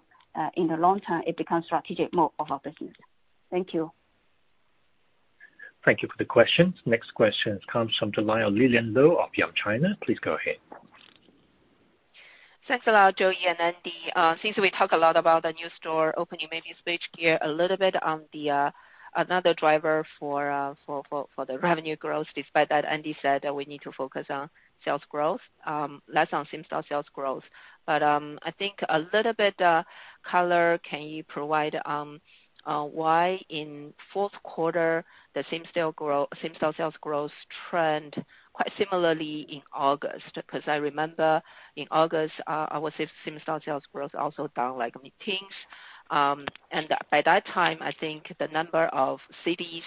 In the long term, it becomes strategic model of our business. Thank you. Thank you for the question. Next question comes from the line of Lillian Lou of Yum China. Please go ahead. Thanks a lot, Joey and Andy. Since we talk a lot about the new store opening, maybe switch gear a little bit on the another driver for the revenue growth. Despite that Andy said that we need to focus on sales growth, less on same-store sales growth. I think a little bit color can you provide why in fourth quarter, the same-store sales growth trend quite similarly in August? 'Cause I remember in August, our same-store sales growth also down like mid-teens. And by that time, I think the number of cities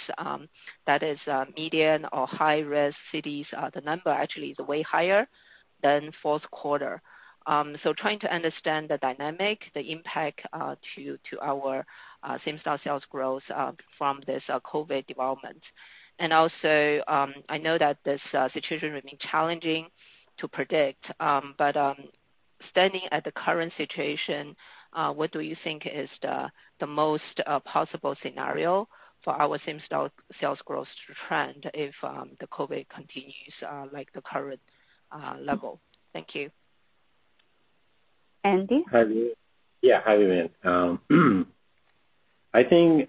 that is medium or high-risk cities, the number actually is way higher than fourth quarter. So, trying to understand the dynamic, the impact to our same-store sales growth from this COVID development. I know that this situation will be challenging to predict, but standing at the current situation, what do you think is the most possible scenario for our same-store sales growth trend if the COVID continues like the current level? Thank you. Andy? Hi, Lillian. I think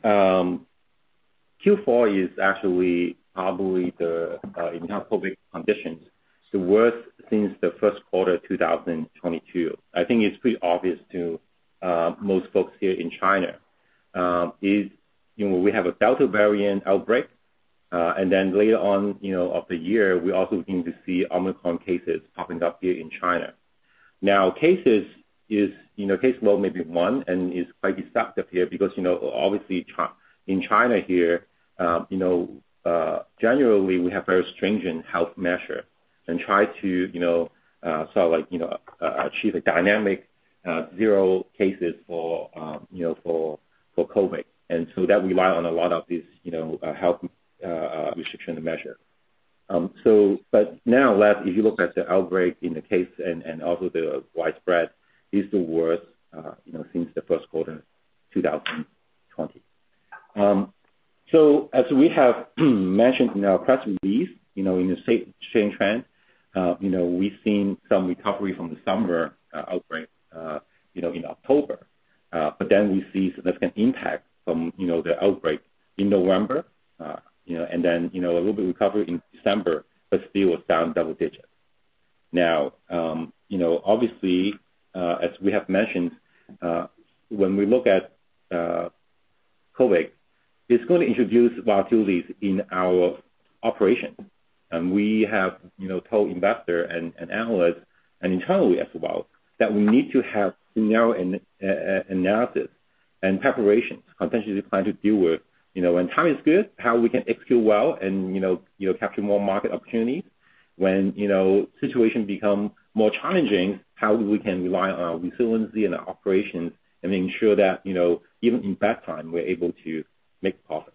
Q4 is actually probably the worst in non-COVID conditions since the first quarter 2022. I think it's pretty obvious to most folks here in China. You know, we have a Delta variant outbreak, and then later on in the year, we're also going to see Omicron cases popping up here in China. Now, cases is you know case load may be one, and it's quite disruptive here because you know obviously in China here you know generally we have very stringent health measure and try to you know sort of like you know achieve a dynamic zero cases for you know for for COVID. That rely on a lot of these you know health restriction measure. If you look at the outbreak in this case and also the widespread, it's the worst, you know, since the first quarter 2020. As we have mentioned in our press release, you know, in the same trend, we've seen some recovery from the summer outbreak, you know, in October. But then we see significant impact from, you know, the outbreak in November, you know, and then, you know, a little bit recovery in December, but still was down double digits. Obviously, as we have mentioned, when we look at COVID, it's gonna introduce volatilities in our operations. We have, you know, told investors and analysts, and internally as well, that we need to have scenario analysis and preparations, contingency plan to deal with, you know, when time is good, how we can execute well and, you know, capture more market opportunities. When, you know, situation become more challenging, how we can rely on our resiliency and our operations and ensure that, you know, even in bad time, we're able to make profit.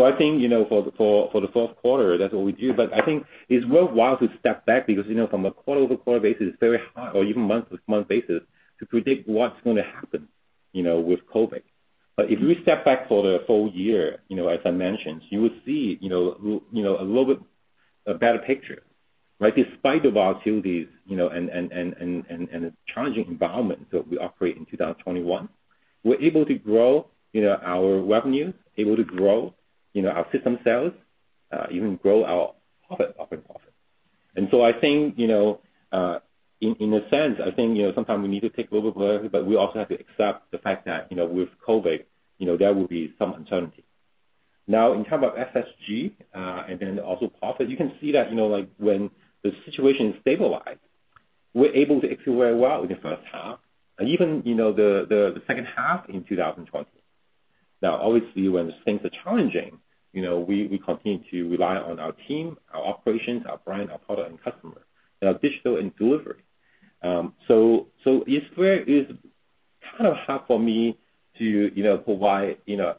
I think, you know, for the fourth quarter, that's what we do. I think it's worthwhile to step back because, you know, from a quarter-over-quarter basis, it's very hard, or even month-to-month basis, to predict what's gonna happen, you know, with COVID. If we step back for the full year, you know, as I mentioned, you will see, you know, a little bit better picture, right? Despite the volatilities, you know, and the challenging environment that we operate in 2021, we're able to grow, you know, our revenue, able to grow, you know, our system sales, even grow our profit, operating profit. I think, you know, in a sense, I think, you know, sometimes we need to take a little bit, but we also have to accept the fact that, you know, with COVID, you know, there will be some uncertainty. Now, in terms of SSG and then also profit, you can see that, you know, like, when the situation stabilized, we're able to execute very well in the first half, and even, you know, the second half in 2020. Now, obviously, when things are challenging, you know, we continue to rely on our team, our operations, our brand, our product and customer, and our digital and delivery. So, it's very hard for me to, you know, provide, you know,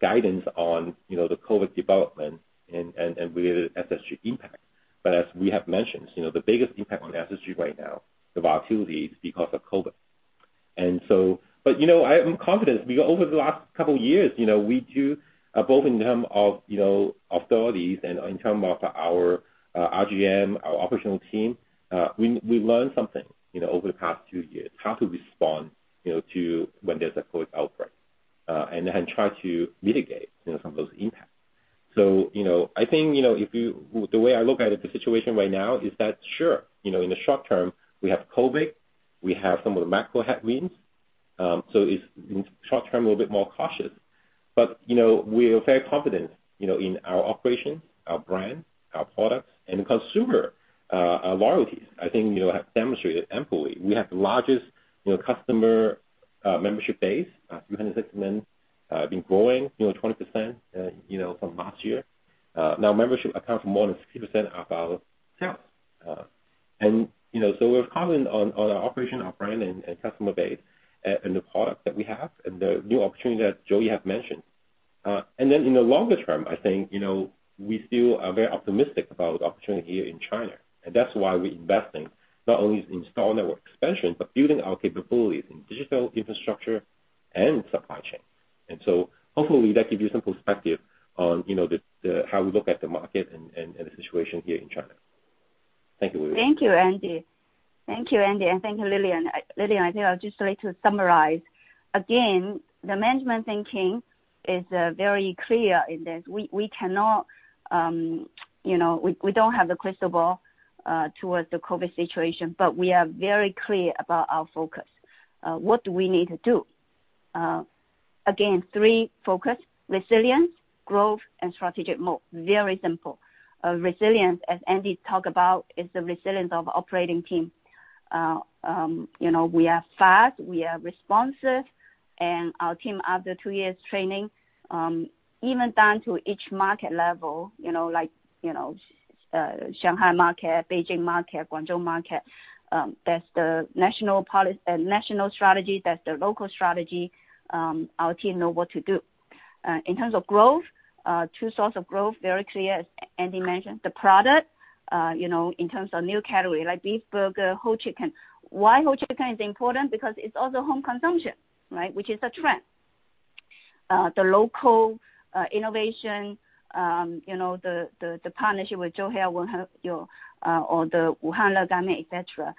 guidance on, you know, the COVID development and related SSG impact. But as we have mentioned, you know, the biggest impact on SSG right now, the volatility is because of COVID. You know, I am confident because over the last couple years, you know, we do both in terms of, you know, authorities and in terms of our RGM, our operational team, we learned something, you know, over the past two years, how to respond, you know, to when there's a COVID outbreak, and then try to mitigate, you know, some of those impacts. You know, I think, you know, the way I look at it, the situation right now is that, sure, you know, in the short term, we have COVID, we have some of the macro headwinds, so it's in short term a little bit more cautious. You know, we are very confident, you know, in our operations, our brand, our products and consumer loyalties. I think, you know, have demonstrated amply. We have the largest, you know, customer membership base, 360 million, been growing, you know, 20%, you know, from last year. Now membership accounts for more than 60% of our sales. We're confident on our operation, our brand and customer base, and the product that we have and the new opportunity that Joey have mentioned. In the longer term, I think, you know, we still are very optimistic about opportunity here in China. That's why we're investing not only in in-store network expansion but building our capabilities in digital infrastructure and supply chain. Hopefully that give you some perspective on, you know, the way we look at the market and the situation here in China. Thank you. Thank you, Andy, and thank you, Lillian. Lillian, I think I would just like to summarize. Again, the management thinking is very clear in this. We cannot, you know, we don't have the crystal ball towards the COVID situation, but we are very clear about our focus. What do we need to do? Again, three focus, resilience, growth and strategic mode. Very simple. Resilience, as Andy talk about, is the resilience of operating team. You know, we are fast, we are responsive, and our team, after two years training, even down to each market level, you know, like, Shanghai market, Beijing market, Guangzhou market, that's the national strategy, that's the local strategy, our team know what to do. In terms of growth, two sources of growth, very clear, as Andy mentioned. The product, you know, in terms of new category, like beef burger, whole chicken. Why whole chicken is important? Because it's also home consumption, right? Which is a trend. The local innovation, you know, the partnership with Zhou Hei Ya, you know, or the Wuhan reganmian, et cetera,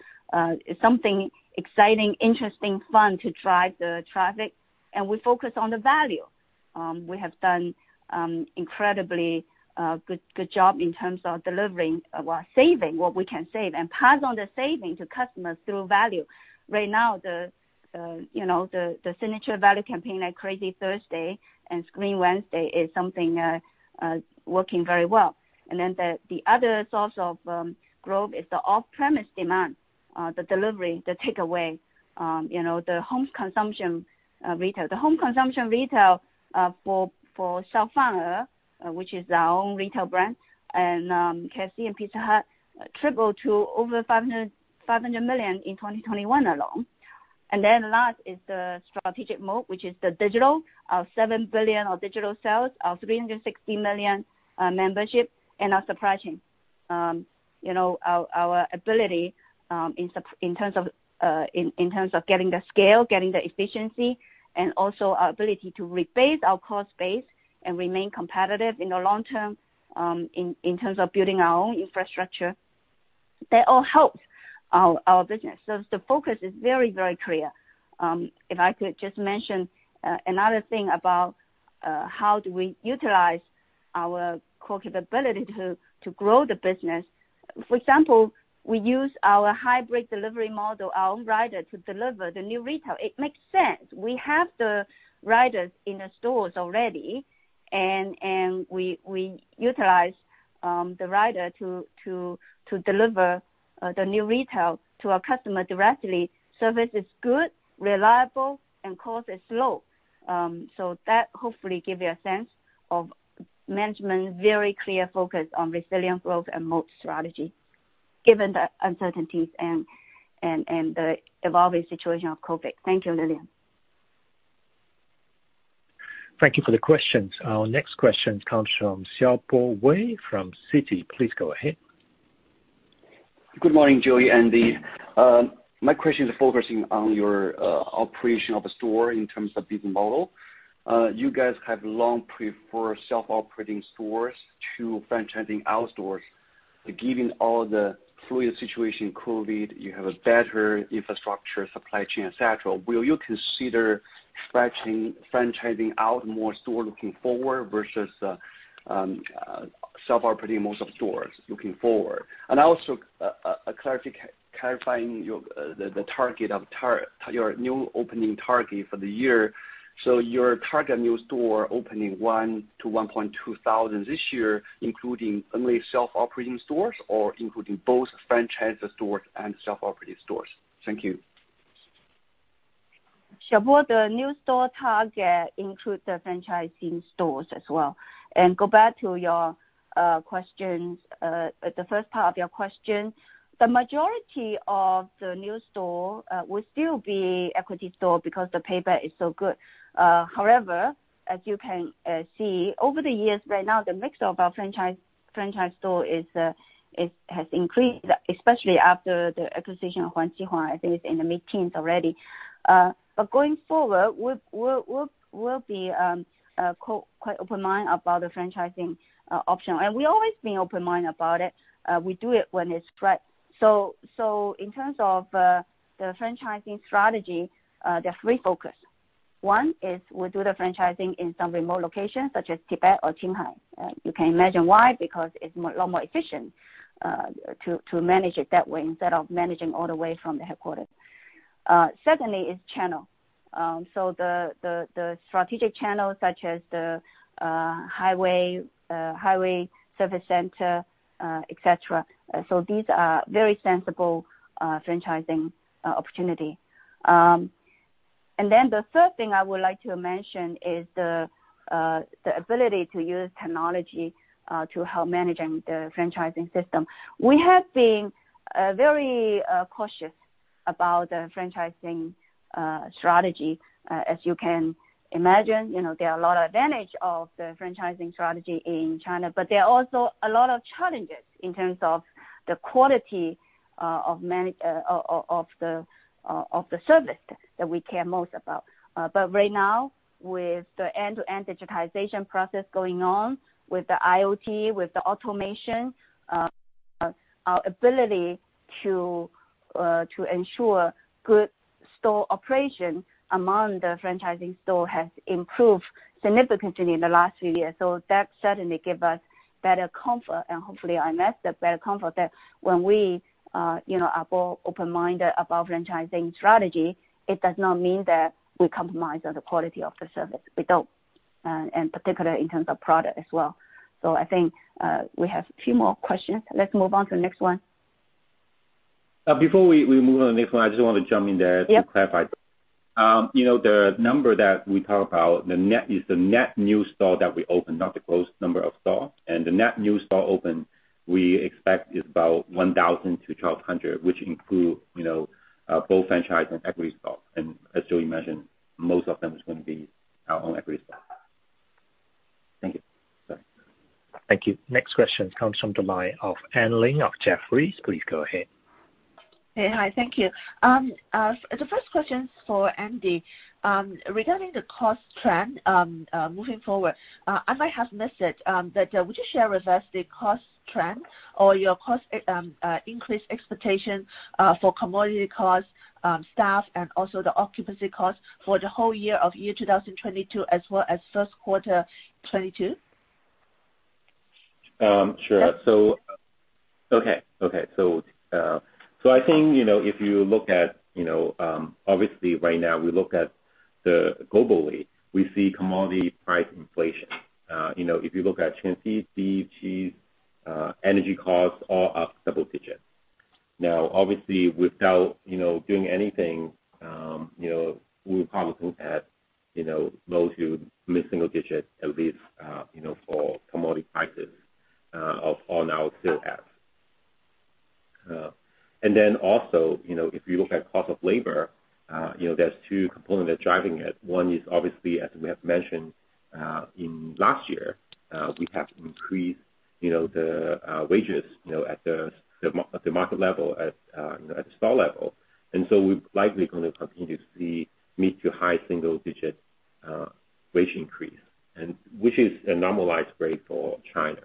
is something exciting, interesting, fun to drive the traffic. We focus on the value. We have done incredibly good job in terms of delivering or saving what we can save and pass on the saving to customers through value. Right now, the signature value campaign like Crazy Thursday and Scream Wednesday is something working very well. The other source of growth is the off-premise demand, the delivery, the takeaway, you know, the home consumption retail. The home consumption retail for Shao Fan Fan, which is our own retail brand, and KFC and Pizza Hut tripled to over $500 million in 2021 alone. Last is the strategic mode, which is the digital $7 billion of digital sales, 360 million memberships, and our supply chain. You know, our ability in terms of getting the scale, getting the efficiency, and also our ability to rebase our cost base and remain competitive in the long term, in terms of building our own infrastructure, that all helps our business. The focus is very clear. If I could just mention another thing about, how do, we utilize our core capability to grow the business. For example, we use our hybrid delivery model, our own rider to deliver the new retail. It makes sense. We have the riders in the stores already, and we utilize the rider to deliver the new retail to our customer directly. Service is good, reliable, and cost is low. That hopefully give you a sense of management's very clear focus on resilient growth and mode strategy, given the uncertainties and the evolving situation of COVID. Thank you, Lillian. Thank you for the questions. Our next question comes from Xiaopo Wei from Citi. Please go ahead. Good morning, Joey and Andy. My question is focusing on your operation of the store in terms of business model. You guys have long preferred self-operating stores to franchising out stores. Given all the fluid situation COVID, you have a better infrastructure, supply chain, et cetera. Will you consider stretching franchising out more stores looking forward versus self-operating most of stores looking forward? Also, clarifying your new opening target for the year. So, your target new store opening 1,000-1,200 this year, including only self-operating stores or including both franchised stores and self-operating stores? Thank you. Xiaopo, the new store target includes the franchising stores as well. Go back to your questions, the first part of your question. The majority of the new store will still be equity store because the payback is so good. However, as you can see, over the years, right now, the mix of our franchise store has increased, especially after the acquisition of Huang Ji Huang, I think it's in the mid-10s already. Going forward, we'll be quite open mind about the franchising option. We always been open mind about it. We do it when it's right. In terms of the franchising strategy, there are three focus. One is we do the franchising in some remote locations such as Tibet or Qinghai. You can imagine why, because it's a lot more efficient to manage it that way instead of managing all the way from the headquarters. Secondly is channels. So the strategic channels such as the highway service center, et cetera. So, these are very sensible franchising opportunities. And then the third thing I would like to mention is the ability to use technology to help managing the franchising system. We have been very cautious about the franchising strategy. As you can imagine, you know, there are a lot of advantages of the franchising strategy in China. There are also a lot of challenges in terms of the quality of the management of the service that we care most about. Right now, with the end-to-end digitization process going on, with the IoT, with the automation, our ability to ensure good store operation among the franchised stores has improved significantly in the last few years. That certainly gives us better comfort, and hopefully it gives us better comfort that when we, you know, are more open-minded about franchising strategy, it does not mean that we compromise on the quality of the service. We don't. Particularly in terms of product as well. I think we have a few more questions. Let's move on to the next one. Before we move on to the next one, I just want to jump in there. Yeah. To clarify. You know, the number that we talk about, the net is the net new store that we opened, not the closed number of store. The net new store opened, we expect is about 1,000-1,200, which include, you know, both franchise and equity store. As Joey mentioned, most of them is gonna be our own equity store. Thank you. Sorry. Thank you. Next question comes from the line of Anne Ling of Jefferies. Please go ahead. Hey. Hi, thank you. The first question is for Andy. Regarding the cost trend, moving forward, I might have missed it, but would you share with us the cost trend or your cost increase expectation for commodity cost, staff, and also the occupancy cost for the whole year of 2022 as well as first quarter 2022? Sure. I think, you know, if you look at, you know, obviously right now we look at globally, we see commodity price inflation. You know, if you look at chicken, beef, cheese, energy costs are up double digits. Now, obviously, without, you know, doing anything, you know, we're probably looking at, you know, low- to mid-single-digit at least, you know, for commodity prices overall now still have. And then also, you know, if you look at cost of labor, you know, there's two components that's driving it. One is obviously, as we have mentioned, in last year, we have to increase, you know, the wages, you know, at the market level at, you know, at the store level. We're likely gonna continue to see mid- to high-single-digit wage increase and which is a normalized rate for China.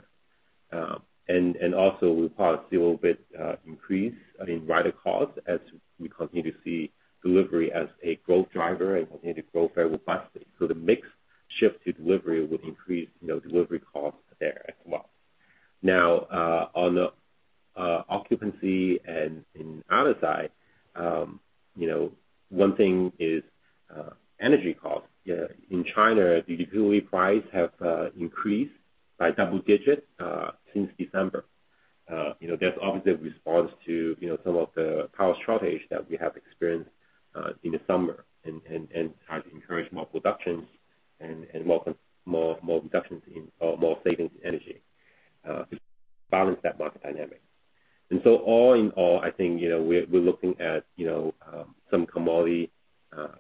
And also, we probably see a little bit increase in rider costs as we continue to see delivery as a growth driver and continue to grow very rapidly. The mix shift to delivery will increase, you know, delivery costs there as well. Now, on the occupancy and other side, you know, one thing is energy costs. In China, the energy price have increased by double digits since December. You know, that's obviously a response to, you know, some of the power shortage that we have experienced in the summer and try to encourage more production in... More savings in energy to balance that market dynamic. All in all, I think, you know, we're looking at, you know, some commodity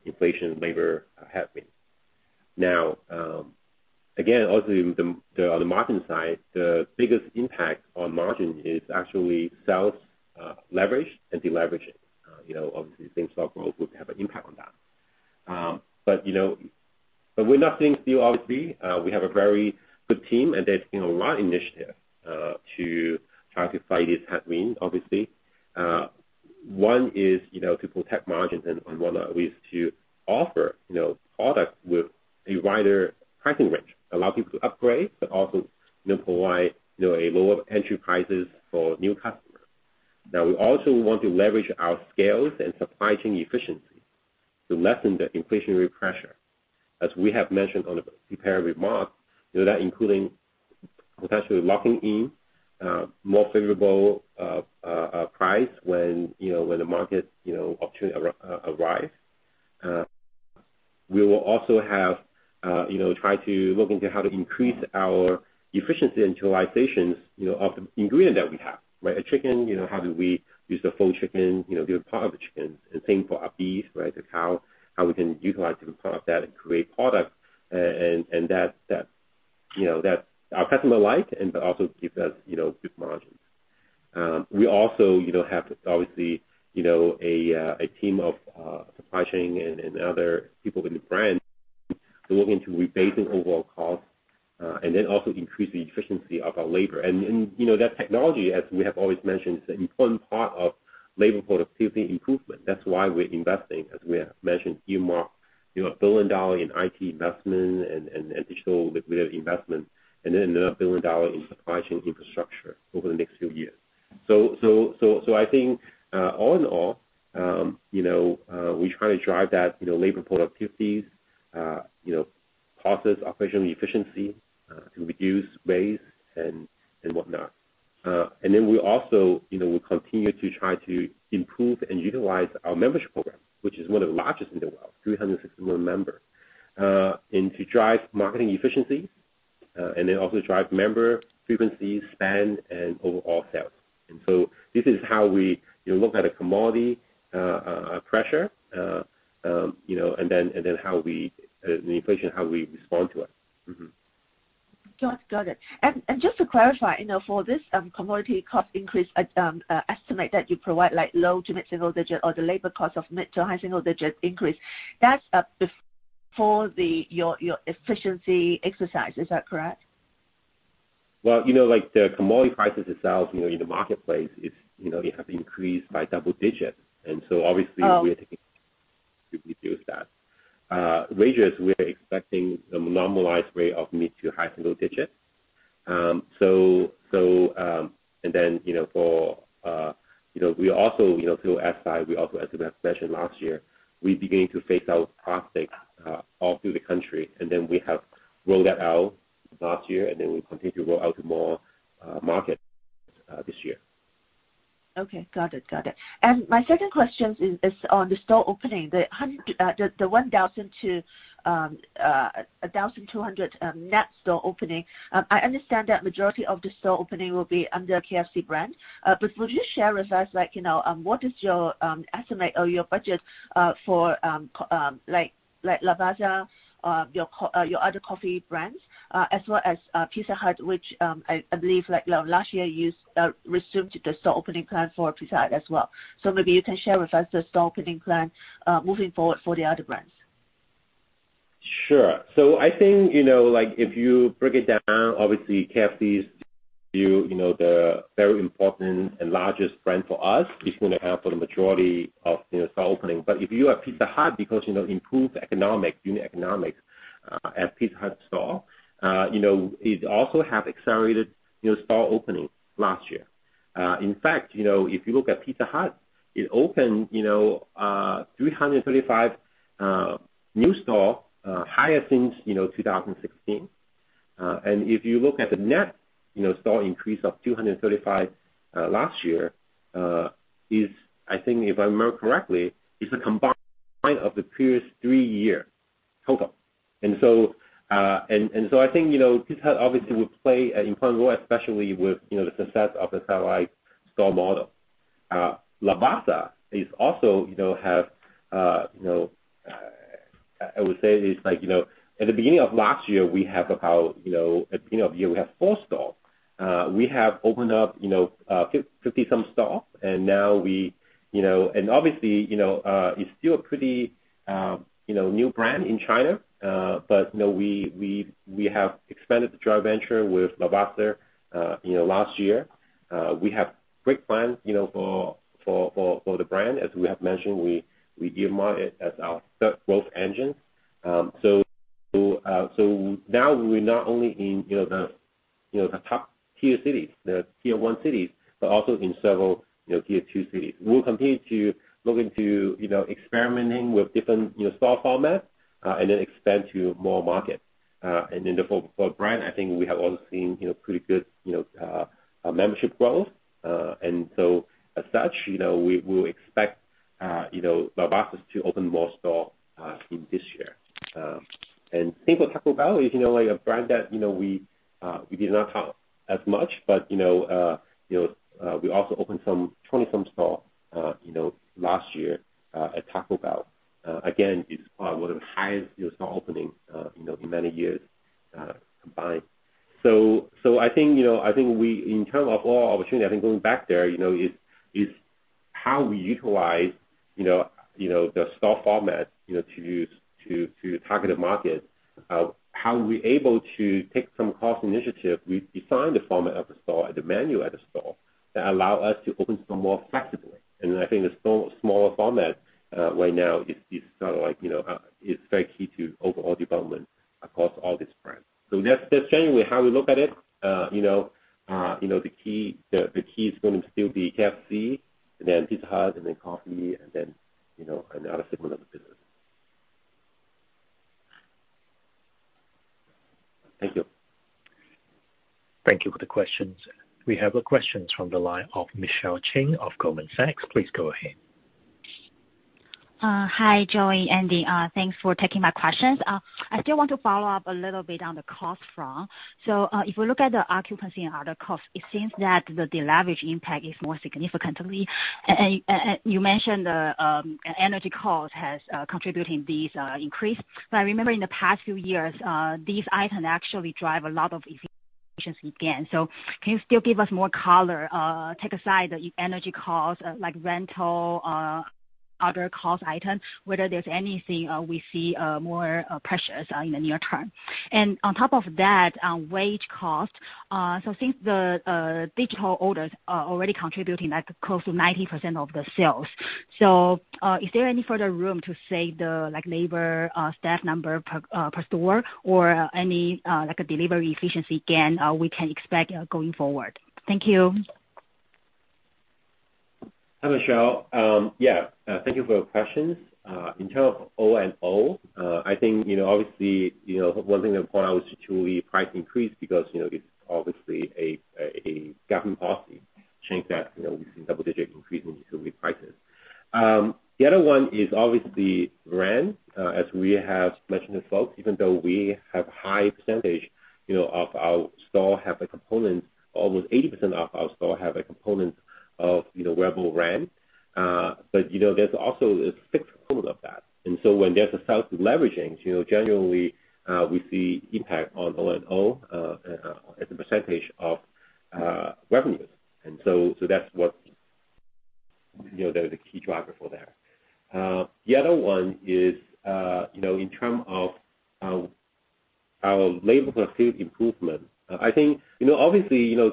inflation labor headwinds. Now, again, also in the on the margin side, the biggest impact on margin is actually sales leverage and deleverage. You know, obviously same store growth would have an impact on that. But, you know, we're not sitting still obviously. We have a very good team, and there's been a lot of initiative to try to fight this headwind, obviously. One is, you know, to protect margins, and one way is to offer, you know, products with a wider pricing range, allow people to upgrade, but also, you know, provide, you know, a lower entry prices for new customers. Now, we also want to leverage our scales and supply chain efficiency to lessen the inflationary pressure. As we have mentioned on the prepared remarks, you know, that including potentially locking in more favorable a price when, you know, when the market, you know, opportunity arrives. We will also have you know try to look into how to increase our efficiency and utilizations, you know, of the ingredient that we have, right? A chicken, you know, how do we use the full chicken, you know, do a part of the chicken and same for a beef, right? The cow, how we can utilize different part of that and create products and that, you know, that our customer like and but also gives us, you know, good margins. We also, you know, have obviously, you know, a team of supply chain and other people in the brand to look into reducing overall costs, and then also increase the efficiency of our labor. You know that technology, as we have always mentioned, is an important part of labor productivity improvement. That's why we're investing, as we have mentioned, a few more, you know, billion dollars in IT investment and digital capability investment and then another $1 billion in supply chain infrastructure over the next few years. I think, all in all, you know, we try to drive that, you know, labor productivities, you know, process operational efficiency, to reduce waste and what not. We also, you know, continue to try to improve and utilize our membership program, which is one of the largest in the world, 360 million members, and to drive marketing efficiency, and then also drive member frequency, spend, and overall sales. This is how we, you know, look at commodity price pressure and inflation, how we respond to it. Got it. Just to clarify, you know, for this commodity cost increase estimate that you provide, like low- to mid-single-digit or the labor cost of mid- to high-single-digit% increase, that's before your efficiency exercise, is that correct? Well, you know, like the commodity prices itself, you know, in the marketplace is, you know, they have increased by double digits. Obviously- Oh. We're taking to reduce that. Wages, we're expecting a normalized rate of mid- to high-single digits. So, you know, for, you know, we also, you know, through FI, as we have mentioned last year, we began to phase out profit all through the country. We have rolled that out last year, and then we continue to roll out to more markets this year. Okay. Got it. My second question is on the store opening. The 1,000 to 1,200 net store opening. I understand that majority of the store opening will be under KFC brand. But would you share with us, like, you know, what is your estimate or your budget for, like, Lavazza, your other coffee brands, as well as Pizza Hut, which I believe like last year you resumed the store opening plan for Pizza Hut as well. Maybe you can share with us the store opening plan moving forward for the other brands. Sure. I think, you know, like if you break it down, obviously KFC is, you know, the very important and largest brand for us. It's gonna have for the majority of, you know, store opening. But if you have Pizza Hut because, you know, improved economics, unit economics, at Pizza Hut store, you know, it also have accelerated, you know, store openings last year. In fact, you know, if you look at Pizza Hut, it opened, you know, 335 new stores higher since, you know, 2016. If you look at the net, you know, store increase of 235 last year, is I think if I remember correctly, it's a combined of the previous three-year total. I think, you know, Pizza Hut obviously will play an important role, especially with, you know, the success of the satellite store model. Lavazza is also, you know, I would say is like, you know, at the beginning of last year, we have about, you know, at beginning of the year, we have four stores. We have opened up, you know, 50-some stores, and now we, you know. Obviously, you know, it's still pretty, you know, new brand in China. But no, we have expanded the joint venture with Lavazza, you know, last year. We have great plans, you know, for the brand. As we have mentioned, we earmark it as our third growth engine. Now we're not only in the top tier cities, the tier one cities, but also in several tier two cities. We'll continue to look into experimenting with different store formats and then expand to more markets. For the brand, I think we have also seen pretty good membership growth. As such, we will expect Lavazza to open more stores in this year. I think what Taco Bell is like a brand that we did not talk as much, but we also opened some 20-some stores last year at Taco Bell. Again, it's one of the highest store openings, you know, in many years, combined. I think in terms of overall opportunity, going back there, you know, is how we utilize, you know, the store format, you know, to target a market. How we're able to take some cost initiative. We designed the format of the store and the menu at a store that allow us to open store more effectively. I think the smaller store format right now is sort of like, you know, very key to overall development across all these brands. That's generally how we look at it. You know, the key is going to still be KFC, and then Pizza Hut, and then coffee, and then, you know, and our similar business. Thank you. Thank you for the questions. We have a question from the line of Michelle Cheng of Goldman Sachs. Please go ahead. Hi, Joey and Andy. Thanks for taking my questions. I still want to follow up a little bit on the cost front. If we look at the Occupancy and Other costs, it seems that the deleverage impact is more significantly. And you mentioned the energy cost has contributing this increase. I remember in the past few years, these items actually drive a lot of efficiency gain. Can you still give us more color, take aside the energy cost, like rental, other cost items, whether there's anything we see more pressures in the near term? On top of that, on wage cost, so since the digital orders are already contributing, like, close to 90% of the sales, so, is there any further room to save the, like, labor staff number per per store or any, like a delivery efficiency gain we can expect going forward? Thank you. Hi, Michelle. Yeah, thank you for your questions. In terms of O&O, I think, you know, obviously, you know, one thing to point out is [true price] increase because, you know, it's obviously a government policy change that, you know, we've seen double-digit increase when you [true price] it. The other one is obviously rent. As we have mentioned to folks, even though we have high percentage, you know, of our store have a component, almost 80% of our store have a component of, you know, variable rent. But you know, there's also a fixed portion of that. When there's sales leverage, you know, generally, we see impact on O&O as a percentage of revenues. That's what, you know, the key driver for there. The other one is, you know, in terms of our labor productivity improvement, I think, you know, obviously, you know,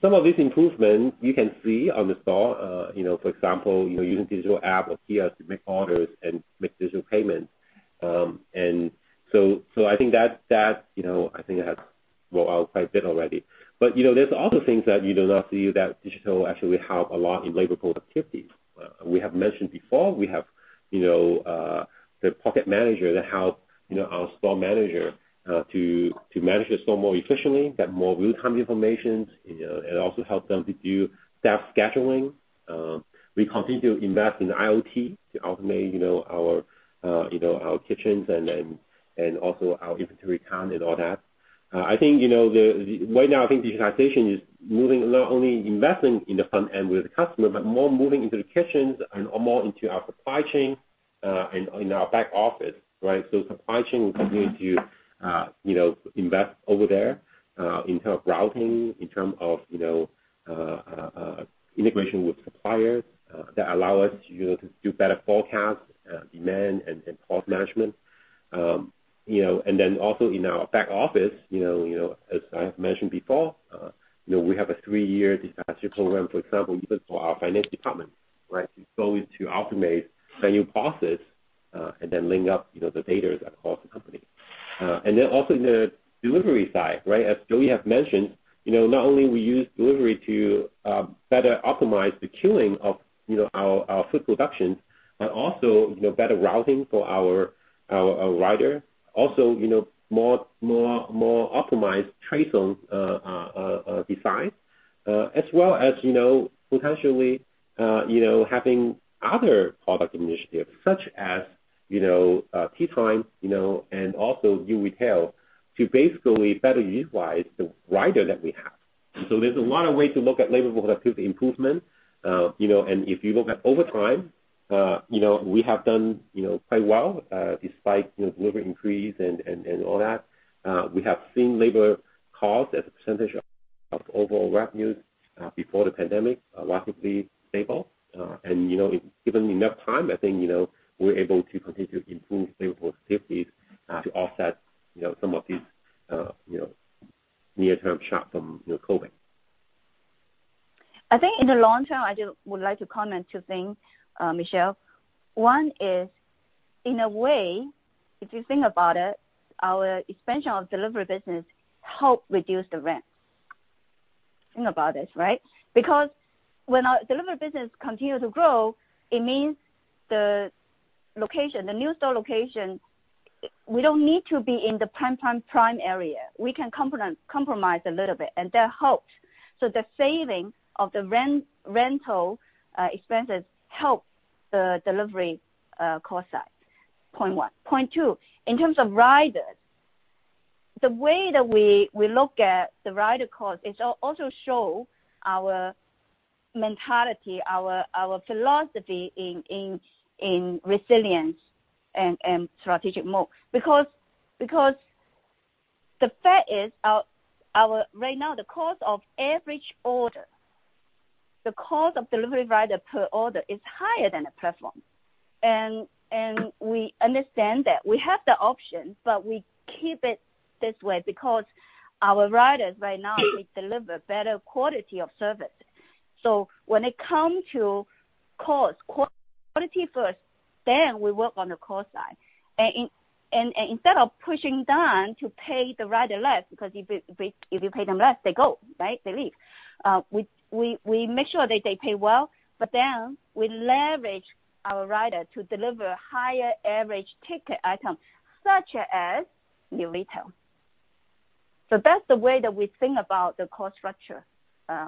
some of these improvements you can see in the store, you know, for example, you're using digital app or kiosk to make orders and make digital payments. I think that rollout quite a bit already. You know, there are other things that you do not see that digital actually helps a lot in labor productivity. We have mentioned before, you know, the Pocket Manager that helps, you know, our Store Manager to manage the store more efficiently, get more real-time information, you know, it also helps them to do staff scheduling. We continue to invest in IoT to automate, you know, our kitchens and also our inventory count and all that. Right now, I think digitization is moving not only investing in the front end with the customer, but more moving into the kitchens and more into our supply chain and in our back office, right? Supply chain, we continue to invest over there, you know, in terms of routing, in terms of integration with suppliers that allow us, you know, to do better forecast demand and cost management. Also in our back office, as I have mentioned before, we have a three-year digital program, for example, even for our finance department, right? We need to automate the new process, and then link up, you know, the data across the company. Then also the delivery side, right? As Joey have mentioned, you know, not only we use delivery to better optimize the queuing of, you know, our food productions, but also, you know, better routing for our rider. Also, you know, more optimized trace on design, as well as, you know, potentially having other product initiatives such as, you know, teatime, you know, and also new retail to basically better utilize the rider that we have. There's a lot of ways to look at labor productivity improvement. You know, if you look at overtime, you know, we have done, you know, quite well, despite, you know, delivery increase and all that. We have seen labor cost as a percentage of overall revenues, before the pandemic are relatively stable. Given enough time, I think, you know, we're able to continue to improve labor productivities, to offset, you know, some of these, you know, near-term shock from, you know, COVID. I think in the long term, I just would like to comment two things, Michelle. One is, in a way, if you think about it, our expansion of delivery business help reduce the rent. Think about it, right? Because when our delivery business continue to grow, it means the location, the new store location, we don't need to be in the prime-time prime area. We can compromise a little bit, and that helps. So, the saving of the rent, rental, expenses help the delivery, cost side, point one. Point two, in terms of riders, the way that we look at the rider cost is also show our mentality, our philosophy in resilience and strategic mode. Because the fact is our. Right now, the cost of average order, the cost of delivery rider per order is higher than a platform. We understand that. We have the option, but we keep it this way because our riders right now, they deliver better quality of service. When it comes to cost, quality first, then we work on the cost side. Instead of pushing down to pay the rider less, because if you pay them less, they go, right? They leave. We make sure that they pay well, but then we leverage our rider to deliver higher average ticket items, such as new retail. That's the way that we think about the cost structure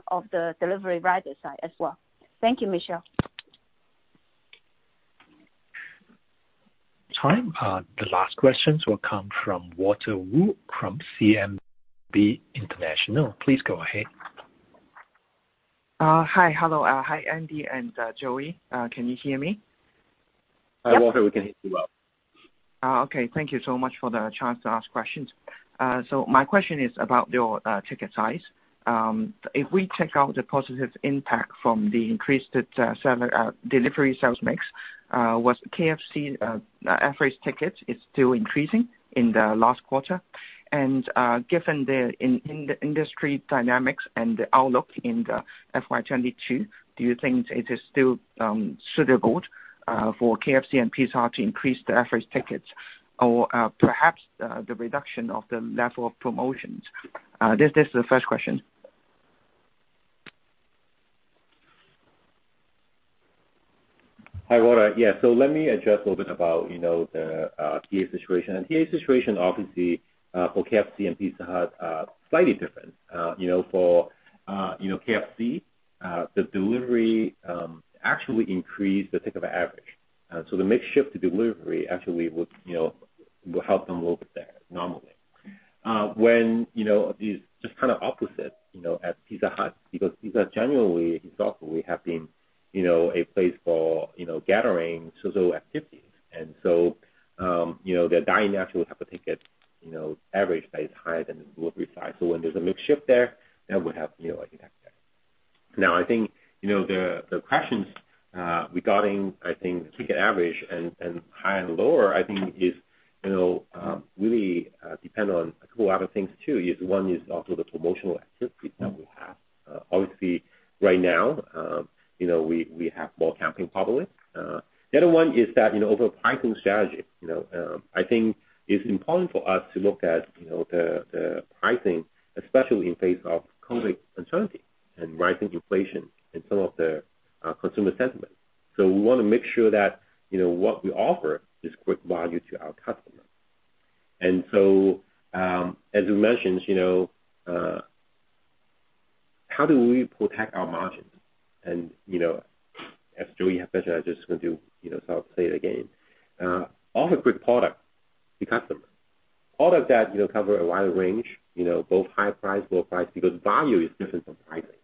of the delivery rider side as well. Thank you, Michelle. The last questions will come from Walter Woo from CMB International. Please go ahead. Hi. Hello. Hi, Andy and Joey. Can you hear me? Hi, Walter. We can hear you well. Okay. Thank you so much for the chance to ask questions. So, my question is about your ticket size. If we take out the positive impact from the increased self-delivery sales mix, was KFC average tickets still increasing in the last quarter? Given the in-industry dynamics and the outlook in the FY 2022, do you think it is still suitable for KFC and Pizza Hut to increase the average tickets? Or perhaps the reduction of the level of promotions? This is the first question. Hi, Walter. Yeah. Let me address a little bit about, you know, the TA situation. TA situation, obviously, for KFC and Pizza Hut are slightly different. You know, for KFC, the delivery actually increased the ticket average. The mix shift to delivery actually would, you know, will help them over there normally. It is just kinda opposite, you know, at Pizza Hut, because Pizza Hut generally, historically have been, you know, a place for, you know, gathering social activities. The dine-in actually have a ticket, you know, average that is higher than the delivery side. When there's a mix shift there, that would have, you know, an impact there. Now, I think you know the questions regarding I think ticket average and higher and lower I think is you know really depend on a couple other things too. One is also the promotional activities that we have. Obviously, right now you know we have more campaigns probably. The other one is that you know our pricing strategy. You know I think it's important for us to look at you know the pricing especially in the face of COVID uncertainty and rising inflation and some of the consumer sentiment. We wanna make sure that you know what we offer is good value to our customers. As we mentioned you know how do we protect our margins? You know, as Joey have mentioned, I'm just going to, you know, sort of say it again. offer good product to customers. All of that, you know, cover a wide range, you know, both high price, low price, because value is different from pricing.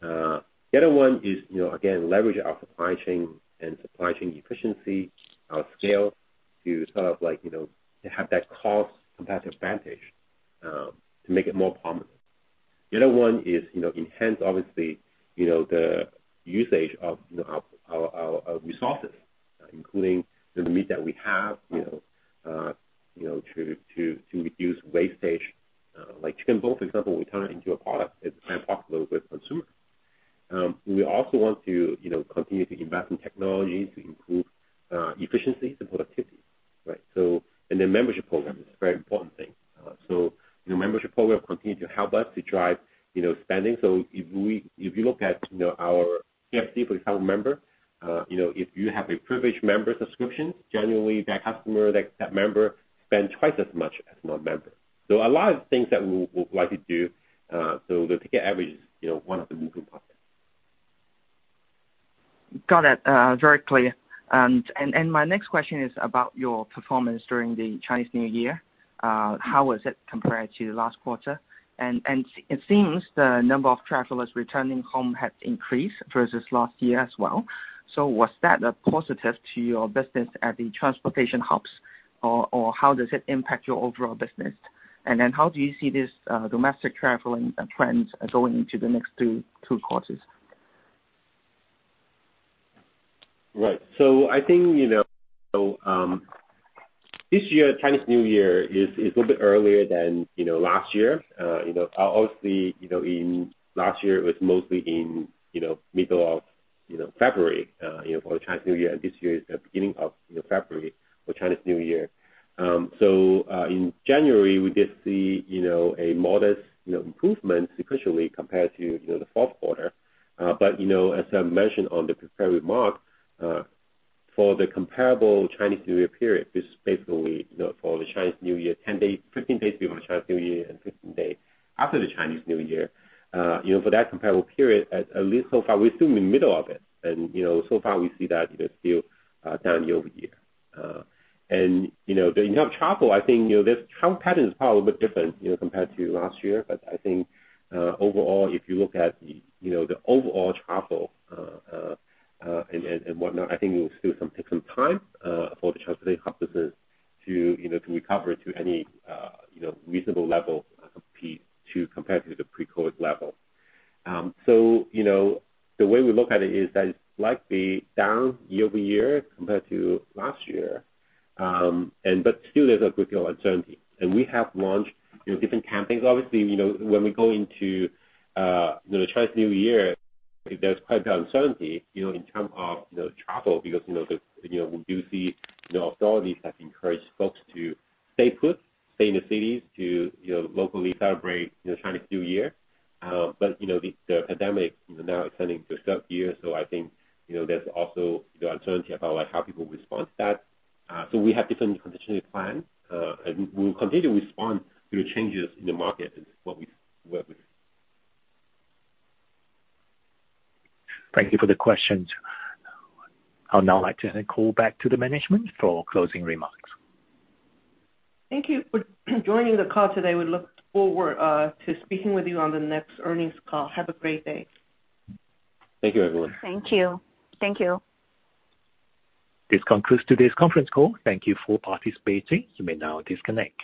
the other one is, you know, again, leverage our supply chain and supply chain efficiency, our scale to sort of like, you know, to have that cost competitive advantage, to make it more prominent. The other one is, you know, enhance obviously, you know, the usage of, you know, our resources, including the meat that we have, you know, to reduce wastage. Like chicken bowl, for example, we turn it into a product that's quite popular with consumers. We also want to, you know, continue to invest in technology to improve efficiency and productivity, right? The membership program is a very important thing. The membership program continue to help us to drive, you know, spending. If you look at, you know, our KFC for example member, you know, if you have a privileged member subscription, generally that customer, that member spend twice as much as non-member. A lot of things that we'll likely do, the ticket average is, you know, one of the moving parts. Got it, very clear. My next question is about your performance during the Chinese New Year. How was it compared to the last quarter? It seems the number of travelers returning home had increased versus last year as well. Was that a positive to your business at the transportation hubs, or how does it impact your overall business? Then how do you see this domestic traveling trends going into the next two quarters? Right. I think, you know, so this year Chinese New Year is a little bit earlier than, you know, last year. You know, obviously, you know, in last year it was mostly in, you know, the middle of, you know, February, you know, for the Chinese New Year. This year it's the beginning of, you know, February for Chinese New Year. In January, we did see, you know, a modest, you know, improvement sequentially compared to, you know, the fourth quarter. You know, as I mentioned on the prepared remarks, for the comparable Chinese New Year period, this is basically, you know, for the Chinese New Year, 10 days, 15 days before Chinese New Year and 15 days after the Chinese New Year, you know, for that comparable period, at least so far, we're still in the middle of it. You know, so far we see that it is still down year-over-year. You know, the amount of travel, I think, you know, the travel pattern is probably a bit different, you know, compared to last year. I think, overall, if you look at, you know, the overall travel, and whatnot, I think it will still take some time, for the transportation offices to, you know, to recover to any, you know, reasonable level to compare to the pre-COVID level. You know, the way we look at it is that it's likely down year-over-year compared to last year. But still there's a good deal of uncertainty, and we have launched, you know, different campaigns. Obviously, you know, when we go into, you know, Chinese New Year, there's quite a bit uncertainty, you know, in terms of, you know, travel because, you know, the, you know, we do see, you know, authorities have encouraged folks to stay put, stay in the cities to, you know, locally celebrate, you know, Chinese New Year. You know, the pandemic, you know, now extending to a third year, so I think, you know, there's also the uncertainty about like how people respond to that. We have different contingency plans, and we'll continue to respond to the changes in the market as what we... Thank you for the questions. I'd now like to hand the call back to the management for closing remarks. Thank you for joining the call today. We look forward to speaking with you on the next earnings call. Have a great day. Thank you, everyone. Thank you. Thank you. This concludes today's conference call. Thank you for participating. You may now disconnect.